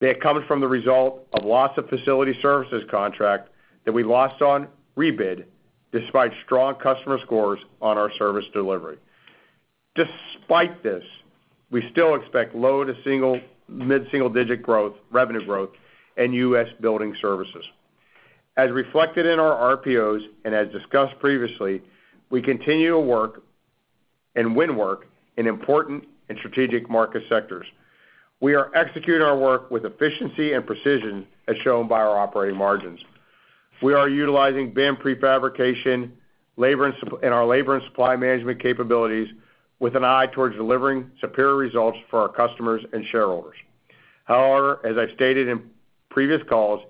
They have come from the result of loss of facility services contract that we lost on rebid, despite strong customer scores on our service delivery. Despite this, we still expect low- to mid-single-digit revenue growth in U.S. Building Services. As reflected in our RPOs, and as discussed previously, we continue to work and win work in important and strategic market sectors. We are executing our work with efficiency and precision, as shown by our operating margins. We are utilizing BIM prefabrication, labor and supply and our labor and supply management capabilities with an eye towards delivering superior results for our customers and shareholders. However, as I stated in previous calls,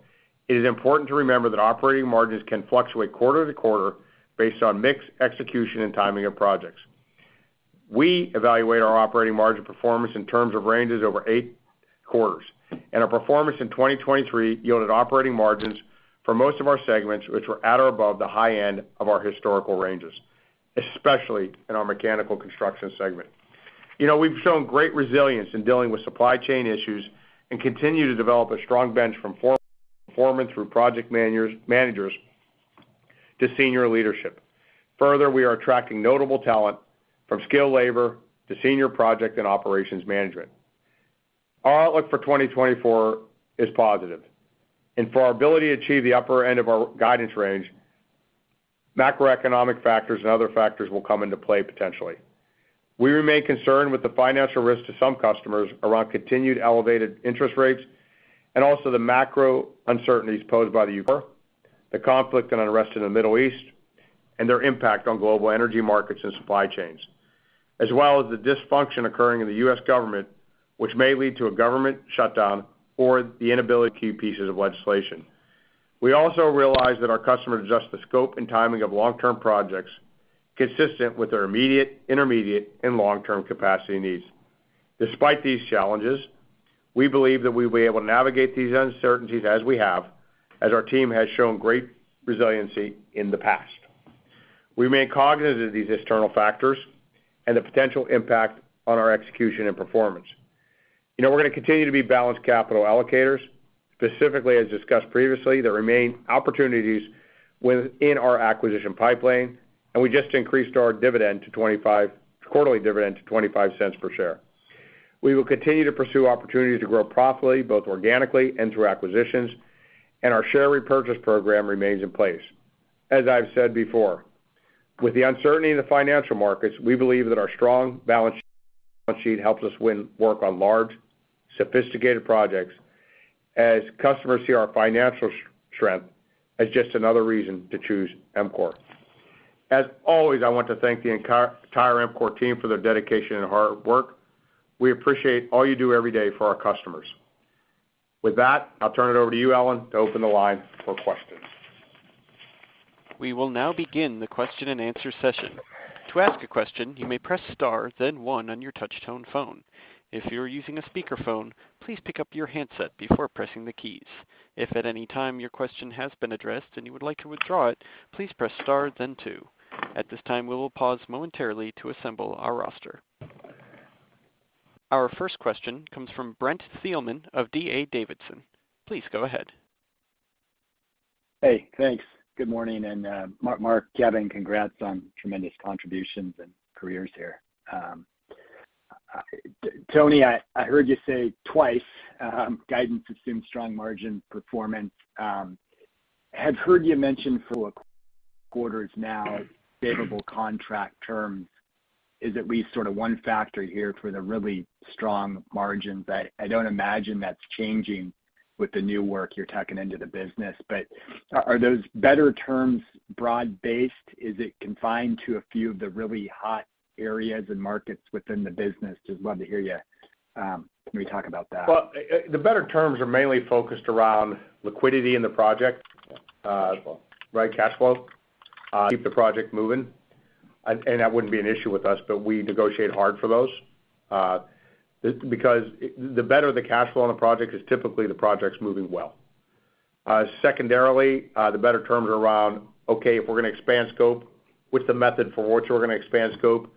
it is important to remember that operating margins can fluctuate quarter to quarter based on mix, execution, and timing of projects. We evaluate our operating margin performance in terms of ranges over eight quarters, and our performance in 2023 yielded operating margins for most of our segments, which were at or above the high end of our historical ranges, especially in our Mechanical Construction segment. You know, we've shown great resilience in dealing with supply chain issues and continue to develop a strong bench from foreman performance through project managers to senior leadership. Further, we are attracting notable talent from skilled labor to senior project and operations management. Our outlook for 2024 is positive, and for our ability to achieve the upper end of our guidance range, macroeconomic factors and other factors will come into play potentially. We remain concerned with the financial risk to some customers around continued elevated interest rates, and also the macro uncertainties posed by the U.K., the conflict and unrest in the Middle East, and their impact on global energy markets and supply chains, as well as the dysfunction occurring in the U.S. government, which may lead to a government shutdown or the inability to key pieces of legislation. We also realize that our customers adjust the scope and timing of long-term projects consistent with their immediate, intermediate, and long-term capacity needs. Despite these challenges, we believe that we'll be able to navigate these uncertainties as we have, as our team has shown great resiliency in the past. We remain cognizant of these external factors and the potential impact on our execution and performance. You know, we're gonna continue to be balanced capital allocators. Specifically, as discussed previously, there remain opportunities within our acquisition pipeline, and we just increased our quarterly dividend to $0.25 per share. We will continue to pursue opportunities to grow profitably, both organically and through acquisitions, and our share repurchase program remains in place. As I've said before, with the uncertainty in the financial markets, we believe that our strong balance sheet helps us win work on large, sophisticated projects as customers see our financial strength as just another reason to choose EMCOR. As always, I want to thank the entire EMCOR team for their dedication and hard work. We appreciate all you do every day for our customers. With that, I'll turn it over to you, Alan, to open the line for questions. We will now begin the question-and-answer session. To ask a question, you may press star, then one on your touchtone phone. If you're using a speakerphone, please pick up your handset before pressing the keys. If at any time your question has been addressed and you would like to withdraw it, please press star then two. At this time, we will pause momentarily to assemble our roster. Our first question comes from Brent Thielman of D.A. Davidson. Please go ahead. Hey, thanks. Good morning, and Mark, Kevin, congrats on tremendous contributions and careers here. Tony, I heard you say twice, guidance assumes strong margin performance. I've heard you mention for quarters now, favorable contract terms is at least sort of one factor here for the really strong margins. I don't imagine that's changing with the new work you're tucking into the business. But are those better terms broad-based? Is it confined to a few of the really hot areas and markets within the business? Just love to hear you, maybe talk about that. Well, the better terms are mainly focused around liquidity in the project, right, cash flow, keep the project moving.... And that wouldn't be an issue with us, but we negotiate hard for those, because the better the cash flow on a project is typically the project's moving well. Secondarily, the better terms are around, okay, if we're gonna expand scope, what's the method for which we're gonna expand scope?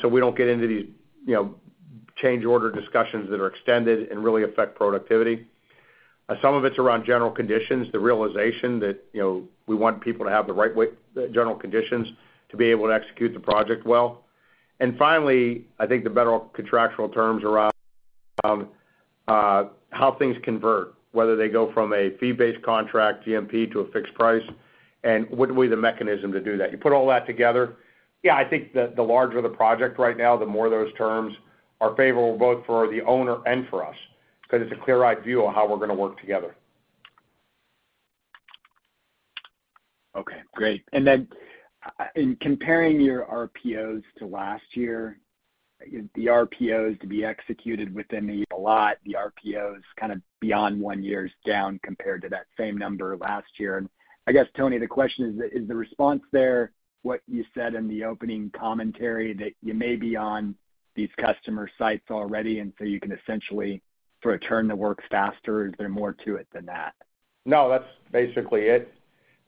So we don't get into these, you know, change order discussions that are extended and really affect productivity. Some of it's around general conditions, the realization that, you know, we want people to have the right way, general conditions to be able to execute the project well. And finally, I think the better contractual terms around how things convert, whether they go from a fee-based contract, GMP, to a fixed price, and what would be the mechanism to do that? You put all that together, yeah, I think the larger the project right now, the more those terms are favorable both for the owner and for us, 'cause it's a clear-eyed view on how we're gonna work together. Okay, great. Then, in comparing your RPOs to last year, the RPOs to be executed within a lot, the RPOs kind of beyond one year is down compared to that same number last year. And I guess, Tony, the question is: Is the response there, what you said in the opening commentary, that you may be on these customer sites already, and so you can essentially sort of turn the works faster, or is there more to it than that? No, that's basically it,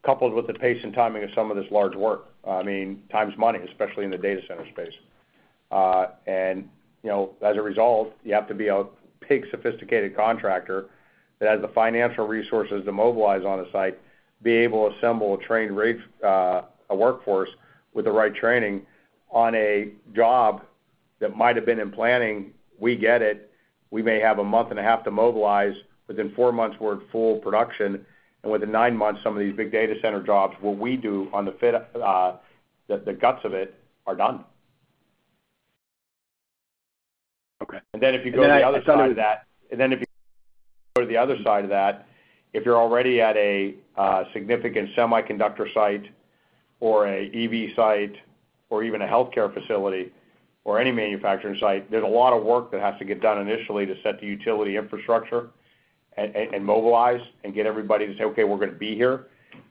coupled with the pace and timing of some of this large work. I mean, time's money, especially in the data center space. You know, as a result, you have to be a big, sophisticated contractor that has the financial resources to mobilize on a site, be able to assemble a trained workforce with the right training on a job that might have been in planning. We get it. We may have a month and a half to mobilize, within four months, we're at full production, and within nine months, some of these big data center jobs, what we do on the fit, the guts of it, are done. Okay. And then if you go to the other side of that, if you're already at a significant semiconductor site or a EV site or even a healthcare facility or any manufacturing site, there's a lot of work that has to get done initially to set the utility infrastructure and mobilize and get everybody to say, "Okay, we're gonna be here."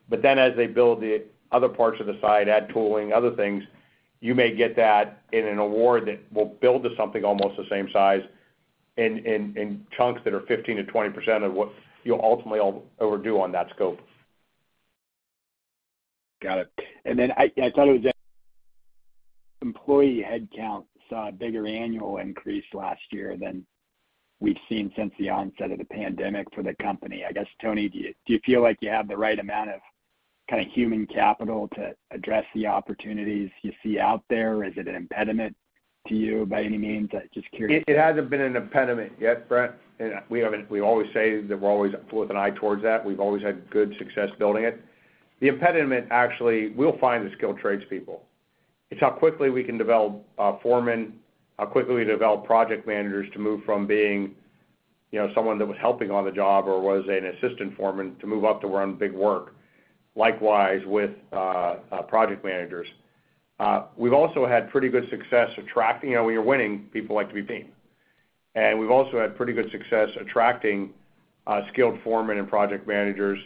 But then, as they build the other parts of the site, add tooling, other things, you may get that in an award that will build to something almost the same size in chunks that are 15%-20% of what you'll ultimately ever do on that scope. Got it. And then I thought it was employee headcount saw a bigger annual increase last year than we've seen since the onset of the pandemic for the company. I guess, Tony, do you feel like you have the right amount of kind of human capital to address the opportunities you see out there? Is it an impediment to you by any means? I'm just curious. It hasn't been an impediment yet, Brent. We haven't, we always say that we're always with an eye towards that. We've always had good success building it. The impediment, actually, we'll find the skilled trades people. It's how quickly we can develop foremen, how quickly we develop project managers to move from being, you know, someone that was helping on the job or was an assistant foreman, to move up to run big work. Likewise, with project managers. We've also had pretty good success attracting... You know, when you're winning, people like to be seen. We've also had pretty good success attracting skilled foremen and project managers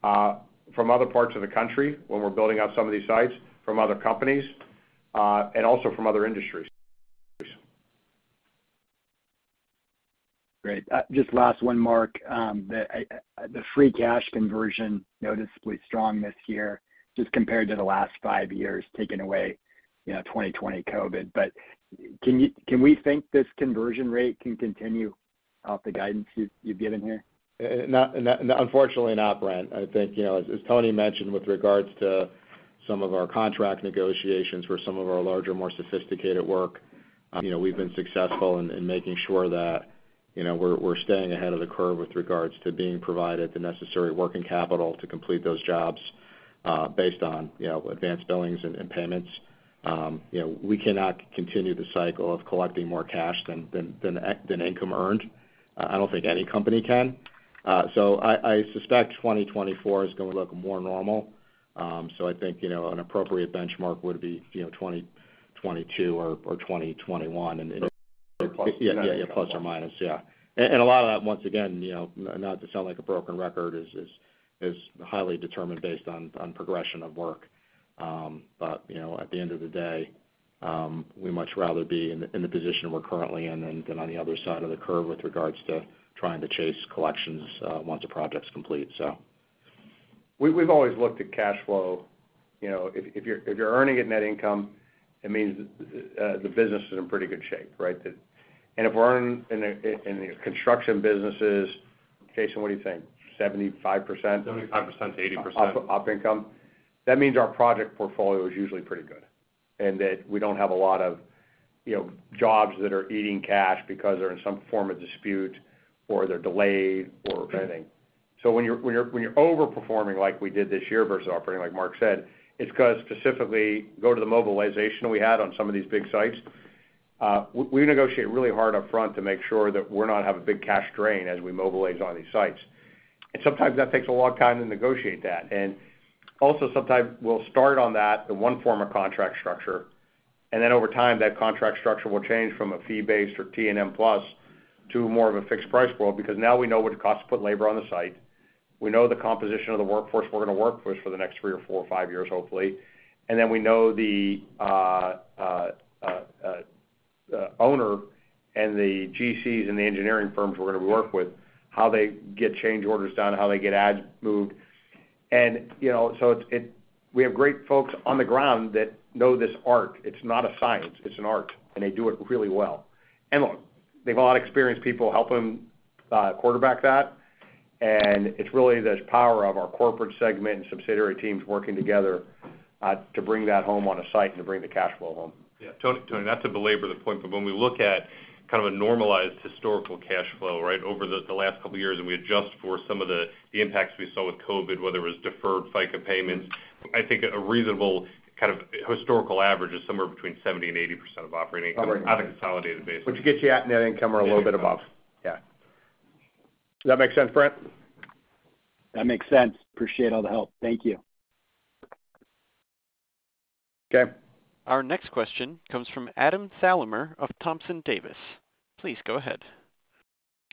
from other parts of the country when we're building out some of these sites, from other companies, and also from other industries. Great. Just last one, Mark. The free cash conversion noticeably strong this year, just compared to the last five years, taking away, you know, 2020 COVID. But can we think this conversion rate can continue off the guidance you've given here? Not, unfortunately not, Brent. I think, you know, as Tony mentioned, with regards to some of our contract negotiations for some of our larger, more sophisticated work, you know, we've been successful in making sure that, you know, we're staying ahead of the curve with regards to being provided the necessary working capital to complete those jobs, based on, you know, advanced billings and payments. You know, we cannot continue the cycle of collecting more cash than income earned. So I suspect 2024 is gonna look more normal. So I think, you know, an appropriate benchmark would be, you know, 2022 or 2021, and yeah, plus or minus. Yeah. A lot of that, once again, you know, not to sound like a broken record, is highly determined based on progression of work. But, you know, at the end of the day, we much rather be in the position we're currently in than on the other side of the curve with regards to trying to chase collections once a project's complete, so... We've always looked at cash flow. You know, if you're earning a net income, it means the business is in pretty good shape, right? And if we're earning in the construction businesses, Jason, what do you think? 75%? 75%-80%. Of income. That means our project portfolio is usually pretty good, and that we don't have a lot of, you know, jobs that are eating cash because they're in some form of dispute or they're delayed or anything. So when you're overperforming like we did this year versus operating, like Mark said, it's 'cause specifically go to the mobilization we had on some of these big sites. We negotiate really hard up front to make sure that we're not having a big cash drain as we mobilize on these sites. And sometimes that takes a long time to negotiate that. And also, sometimes we'll start on that, the one form of contract structure-... And then over time, that contract structure will change from a fee-based or T and M plus to more of a fixed price world, because now we know what it costs to put labor on the site. We know the composition of the workforce we're going to work with for the next three or four or five years, hopefully. And then we know the owner and the GCs and the engineering firms we're gonna be working with, how they get change orders done, how they get adds moved. And, you know, so it's. We have great folks on the ground that know this art. It's not a science, it's an art, and they do it really well. And look, they have a lot of experienced people helping them quarterback that. It's really this power of our corporate segment and subsidiary teams working together to bring that home on a site and to bring the cash flow home. Yeah, Tony, Tony, not to belabor the point, but when we look at kind of a normalized historical cash flow, right, over the, the last couple of years, and we adjust for some of the, the impacts we saw with COVID, whether it was deferred FICA payments, I think a reasonable kind of historical average is somewhere between 70% and 80% of operating income on a consolidated basis. Which gets you at net income or a little bit above. Yeah. Does that make sense, Brent? That makes sense. Appreciate all the help. Thank you. Okay. Our next question comes from Adam Thalhimer of Thompson Davis. Please go ahead.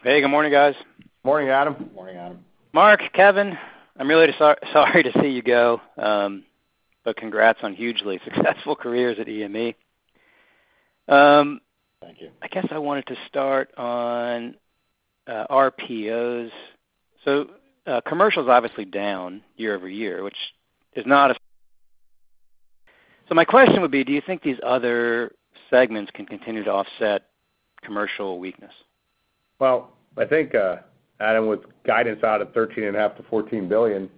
Hey, good morning, guys. Morning, Adam. Morning, Adam. Mark, Kevin, I'm really sorry to see you go, but congrats on hugely successful careers at EMCOR. Thank you. I guess I wanted to start on RPOs. So, commercial is obviously down year-over-year, which is not a... So my question would be, do you think these other segments can continue to offset commercial weakness? Well, I think, Adam, with guidance out of $13.5 billion-$14 billion,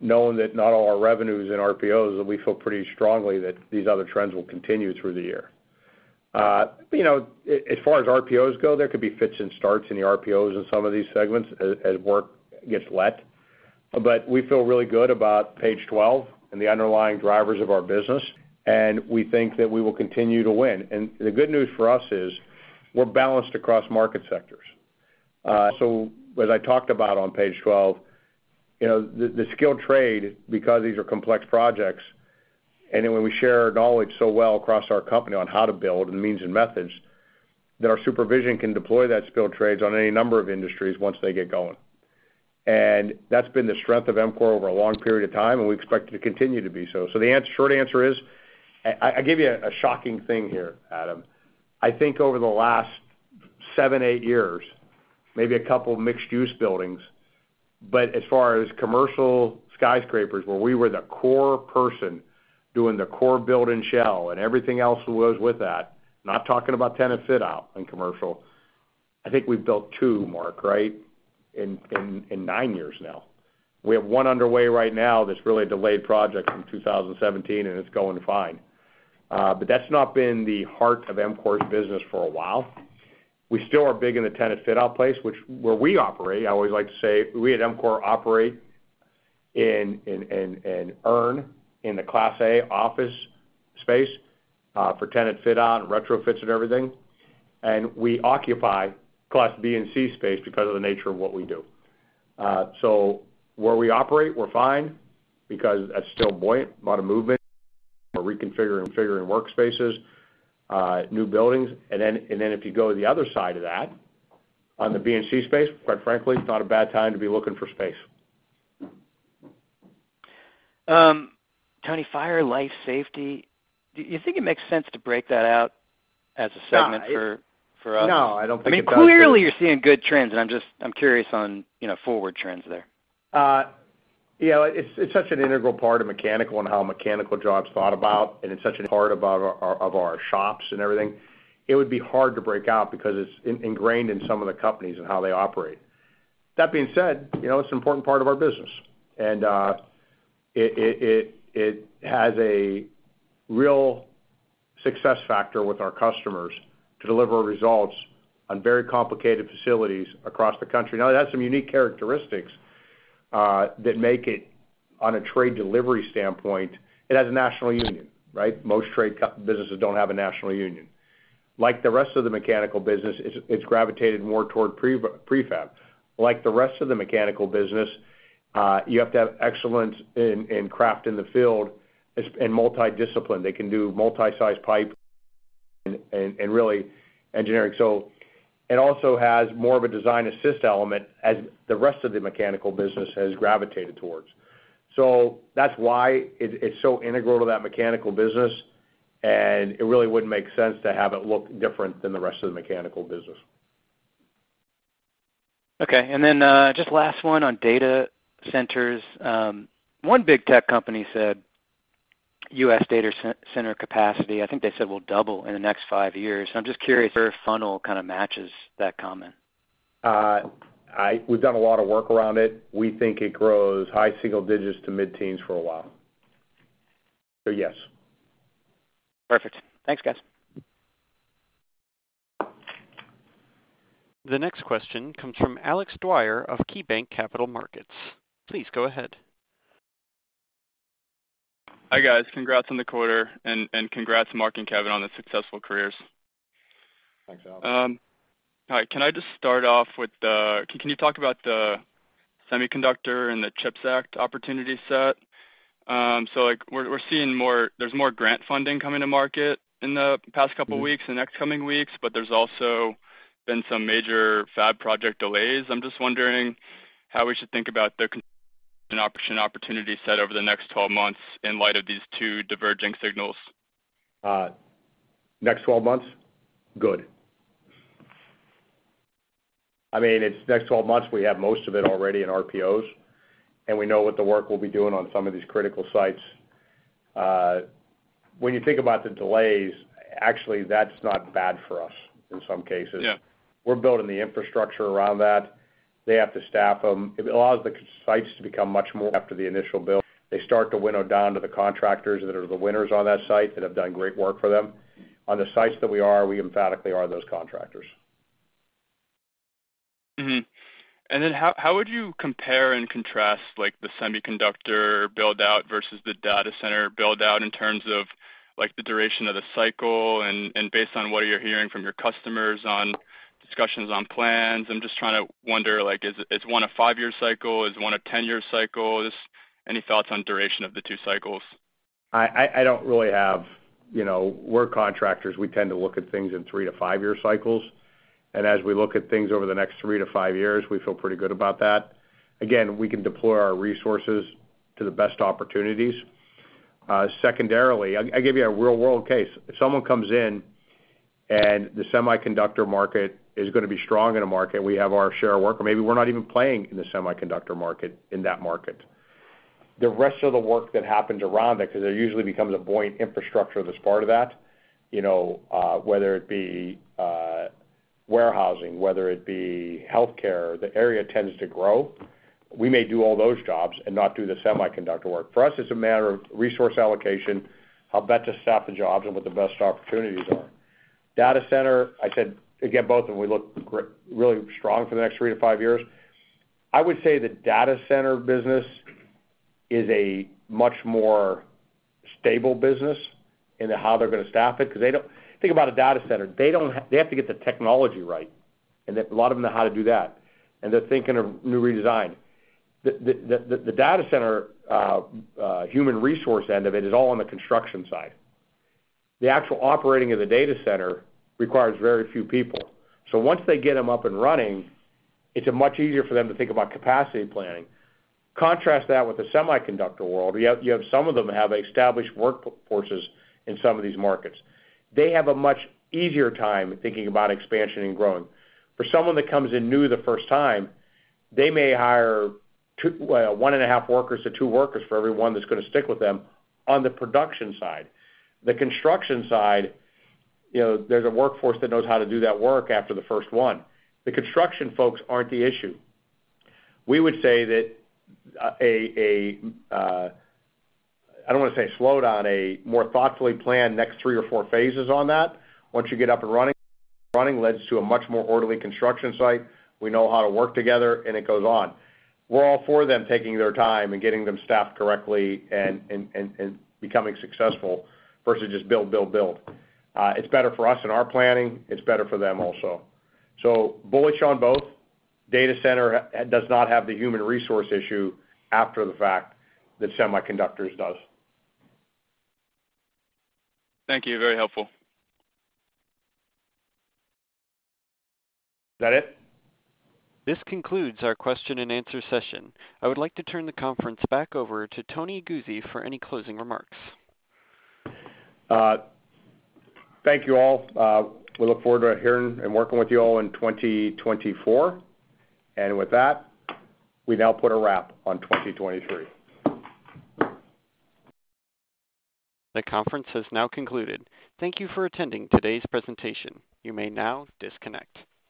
knowing that not all our revenues in RPOs, we feel pretty strongly that these other trends will continue through the year. You know, as far as RPOs go, there could be fits and starts in the RPOs in some of these segments as work gets let. But we feel really good about page twelve and the underlying drivers of our business, and we think that we will continue to win. And the good news for us is we're balanced across market sectors. So as I talked about on page 12, you know, the skilled trade, because these are complex projects, and then when we share our knowledge so well across our company on how to build and the means and methods, that our supervision can deploy that skilled trades on any number of industries once they get going. And that's been the strength of EMCOR over a long period of time, and we expect it to continue to be so. So the short answer is, I give you a shocking thing here, Adam. I think over the last 7-8 years, maybe a couple of mixed-use buildings, but as far as commercial skyscrapers, where we were the core person doing the core build and shell and everything else goes with that, not talking about tenant fit out in commercial, I think we've built two, Mark, right, in nine years now. We have one underway right now that's really a delayed project from 2017, and it's going fine. But that's not been the heart of EMCOR's business for a while. We still are big in the tenant fit out place, which is where we operate. I always like to say, we at EMCOR operate in the Class A office space for tenant fit out, retrofits and everything. And we occupy Class B and C space because of the nature of what we do. So where we operate, we're fine because that's still buoyant. A lot of movement, reconfiguring, configuring workspaces, new buildings. And then, and then if you go to the other side of that, on the B and C space, quite frankly, it's not a bad time to be looking for space. Tony, Fire Life Safety, do you think it makes sense to break that out as a segment for us? No, I don't think it does. I mean, clearly, you're seeing good trends, and I'm just curious on, you know, forward trends there. You know, it's such an integral part of mechanical and how mechanical jobs thought about, and it's such a part of our shops and everything. It would be hard to break out because it's ingrained in some of the companies and how they operate. That being said, you know, it's an important part of our business, and it has a real success factor with our customers to deliver results on very complicated facilities across the country. Now, it has some unique characteristics that make it on a trade delivery standpoint, it has a national union, right? Most trade co-businesses don't have a national union. Like the rest of the mechanical business, it's gravitated more toward prefab. Like the rest of the mechanical business, you have to have excellence in craft in the field as in multidiscipline. They can do multi-size pipe and really engineering. So it also has more of a design assist element as the rest of the mechanical business has gravitated towards. So that's why it's so integral to that mechanical business, and it really wouldn't make sense to have it look different than the rest of the mechanical business. Okay, and then, just last one on data centers. One big tech company said, U.S. data center capacity, I think they said, will double in the next five years. I'm just curious if your funnel kinda matches that comment. We've done a lot of work around it. We think it grows high single digits to mid-teens for a while. So yes. Perfect. Thanks, guys. The next question comes from Alex Dwyer of KeyBanc Capital Markets. Please go ahead. Hi, guys. Congrats on the quarter, and congrats to Mark and Kevin on the successful careers. Thanks, Alex. Hi. Can I just start off with can you talk about the semiconductor and the CHIPS Act opportunity set? So, like, we're seeing more—there's more grant funding coming to market in the past couple weeks and next coming weeks, but there's also been some major fab project delays. I'm just wondering how we should think about the opportunity set over the next 12 months in light of these two diverging signals. Next 12 months? Good. I mean, it's next 12 months, we have most of it already in RPOs, and we know what the work we'll be doing on some of these critical sites. When you think about the delays, actually, that's not bad for us in some cases. Yeah. We're building the infrastructure around that. They have to staff them. It allows the sites to become much more after the initial build. They start to winnow down to the contractors that are the winners on that site, that have done great work for them. On the sites that we are, we emphatically are those contractors. Mm-hmm. And then how would you compare and contrast, like, the semiconductor build-out versus the data center build-out in terms of, like, the duration of the cycle and based on what you're hearing from your customers on discussions on plans? I'm just trying to wonder, like, is one a five-year cycle? Is one a 10-year cycle? Just any thoughts on duration of the two cycles. I don't really have... You know, we're contractors. We tend to look at things in 3-5-year cycles, and as we look at things over the next 3-5 years, we feel pretty good about that. Again, we can deploy our resources to the best opportunities. Secondarily, I give you a real-world case. If someone comes in and the semiconductor market is gonna be strong in a market, we have our share of work, or maybe we're not even playing in the semiconductor market, in that market. The rest of the work that happened around it, because there usually becomes a buoyant infrastructure that's part of that, you know, whether it be warehousing, whether it be healthcare, the area tends to grow. We may do all those jobs and not do the semiconductor work. For us, it's a matter of resource allocation, how best to staff the jobs and what the best opportunities are. Data center, I said, again, both, and we look really strong for the next 3-5 years. I would say the data center business is a much more stable business in how they're gonna staff it, 'cause they don't... Think about a data center. They don't have to get the technology right, and a lot of them know how to do that, and they're thinking of new redesign. The data center human resource end of it is all on the construction side. The actual operating of the data center requires very few people. So once they get them up and running, it's much easier for them to think about capacity planning. Contrast that with the semiconductor world, some of them have established workforces in some of these markets. They have a much easier time thinking about expansion and growing. For someone that comes in new the first time, they may hire two-well, one and a half workers to two workers for every one that's gonna stick with them on the production side. The construction side, you know, there's a workforce that knows how to do that work after the first one. The construction folks aren't the issue. We would say that, I don't want to say slowdown, a more thoughtfully planned next three or four phases on that. Once you get up and running, running leads to a much more orderly construction site. We know how to work together, and it goes on. We're all for them, taking their time and getting them staffed correctly and becoming successful versus just build, build, build. It's better for us in our planning. It's better for them also. So bullish on both. Data center does not have the human resource issue after the fact that Semiconductors does. Thank you. Very helpful. Is that it? This concludes our question and answer session. I would like to turn the conference back over to Tony Guzzi for any closing remarks. Thank you all. We look forward to hearing and working with you all in 2024, and with that, we now put a wrap on 2023. The conference has now concluded. Thank you for attending today's presentation. You may now disconnect.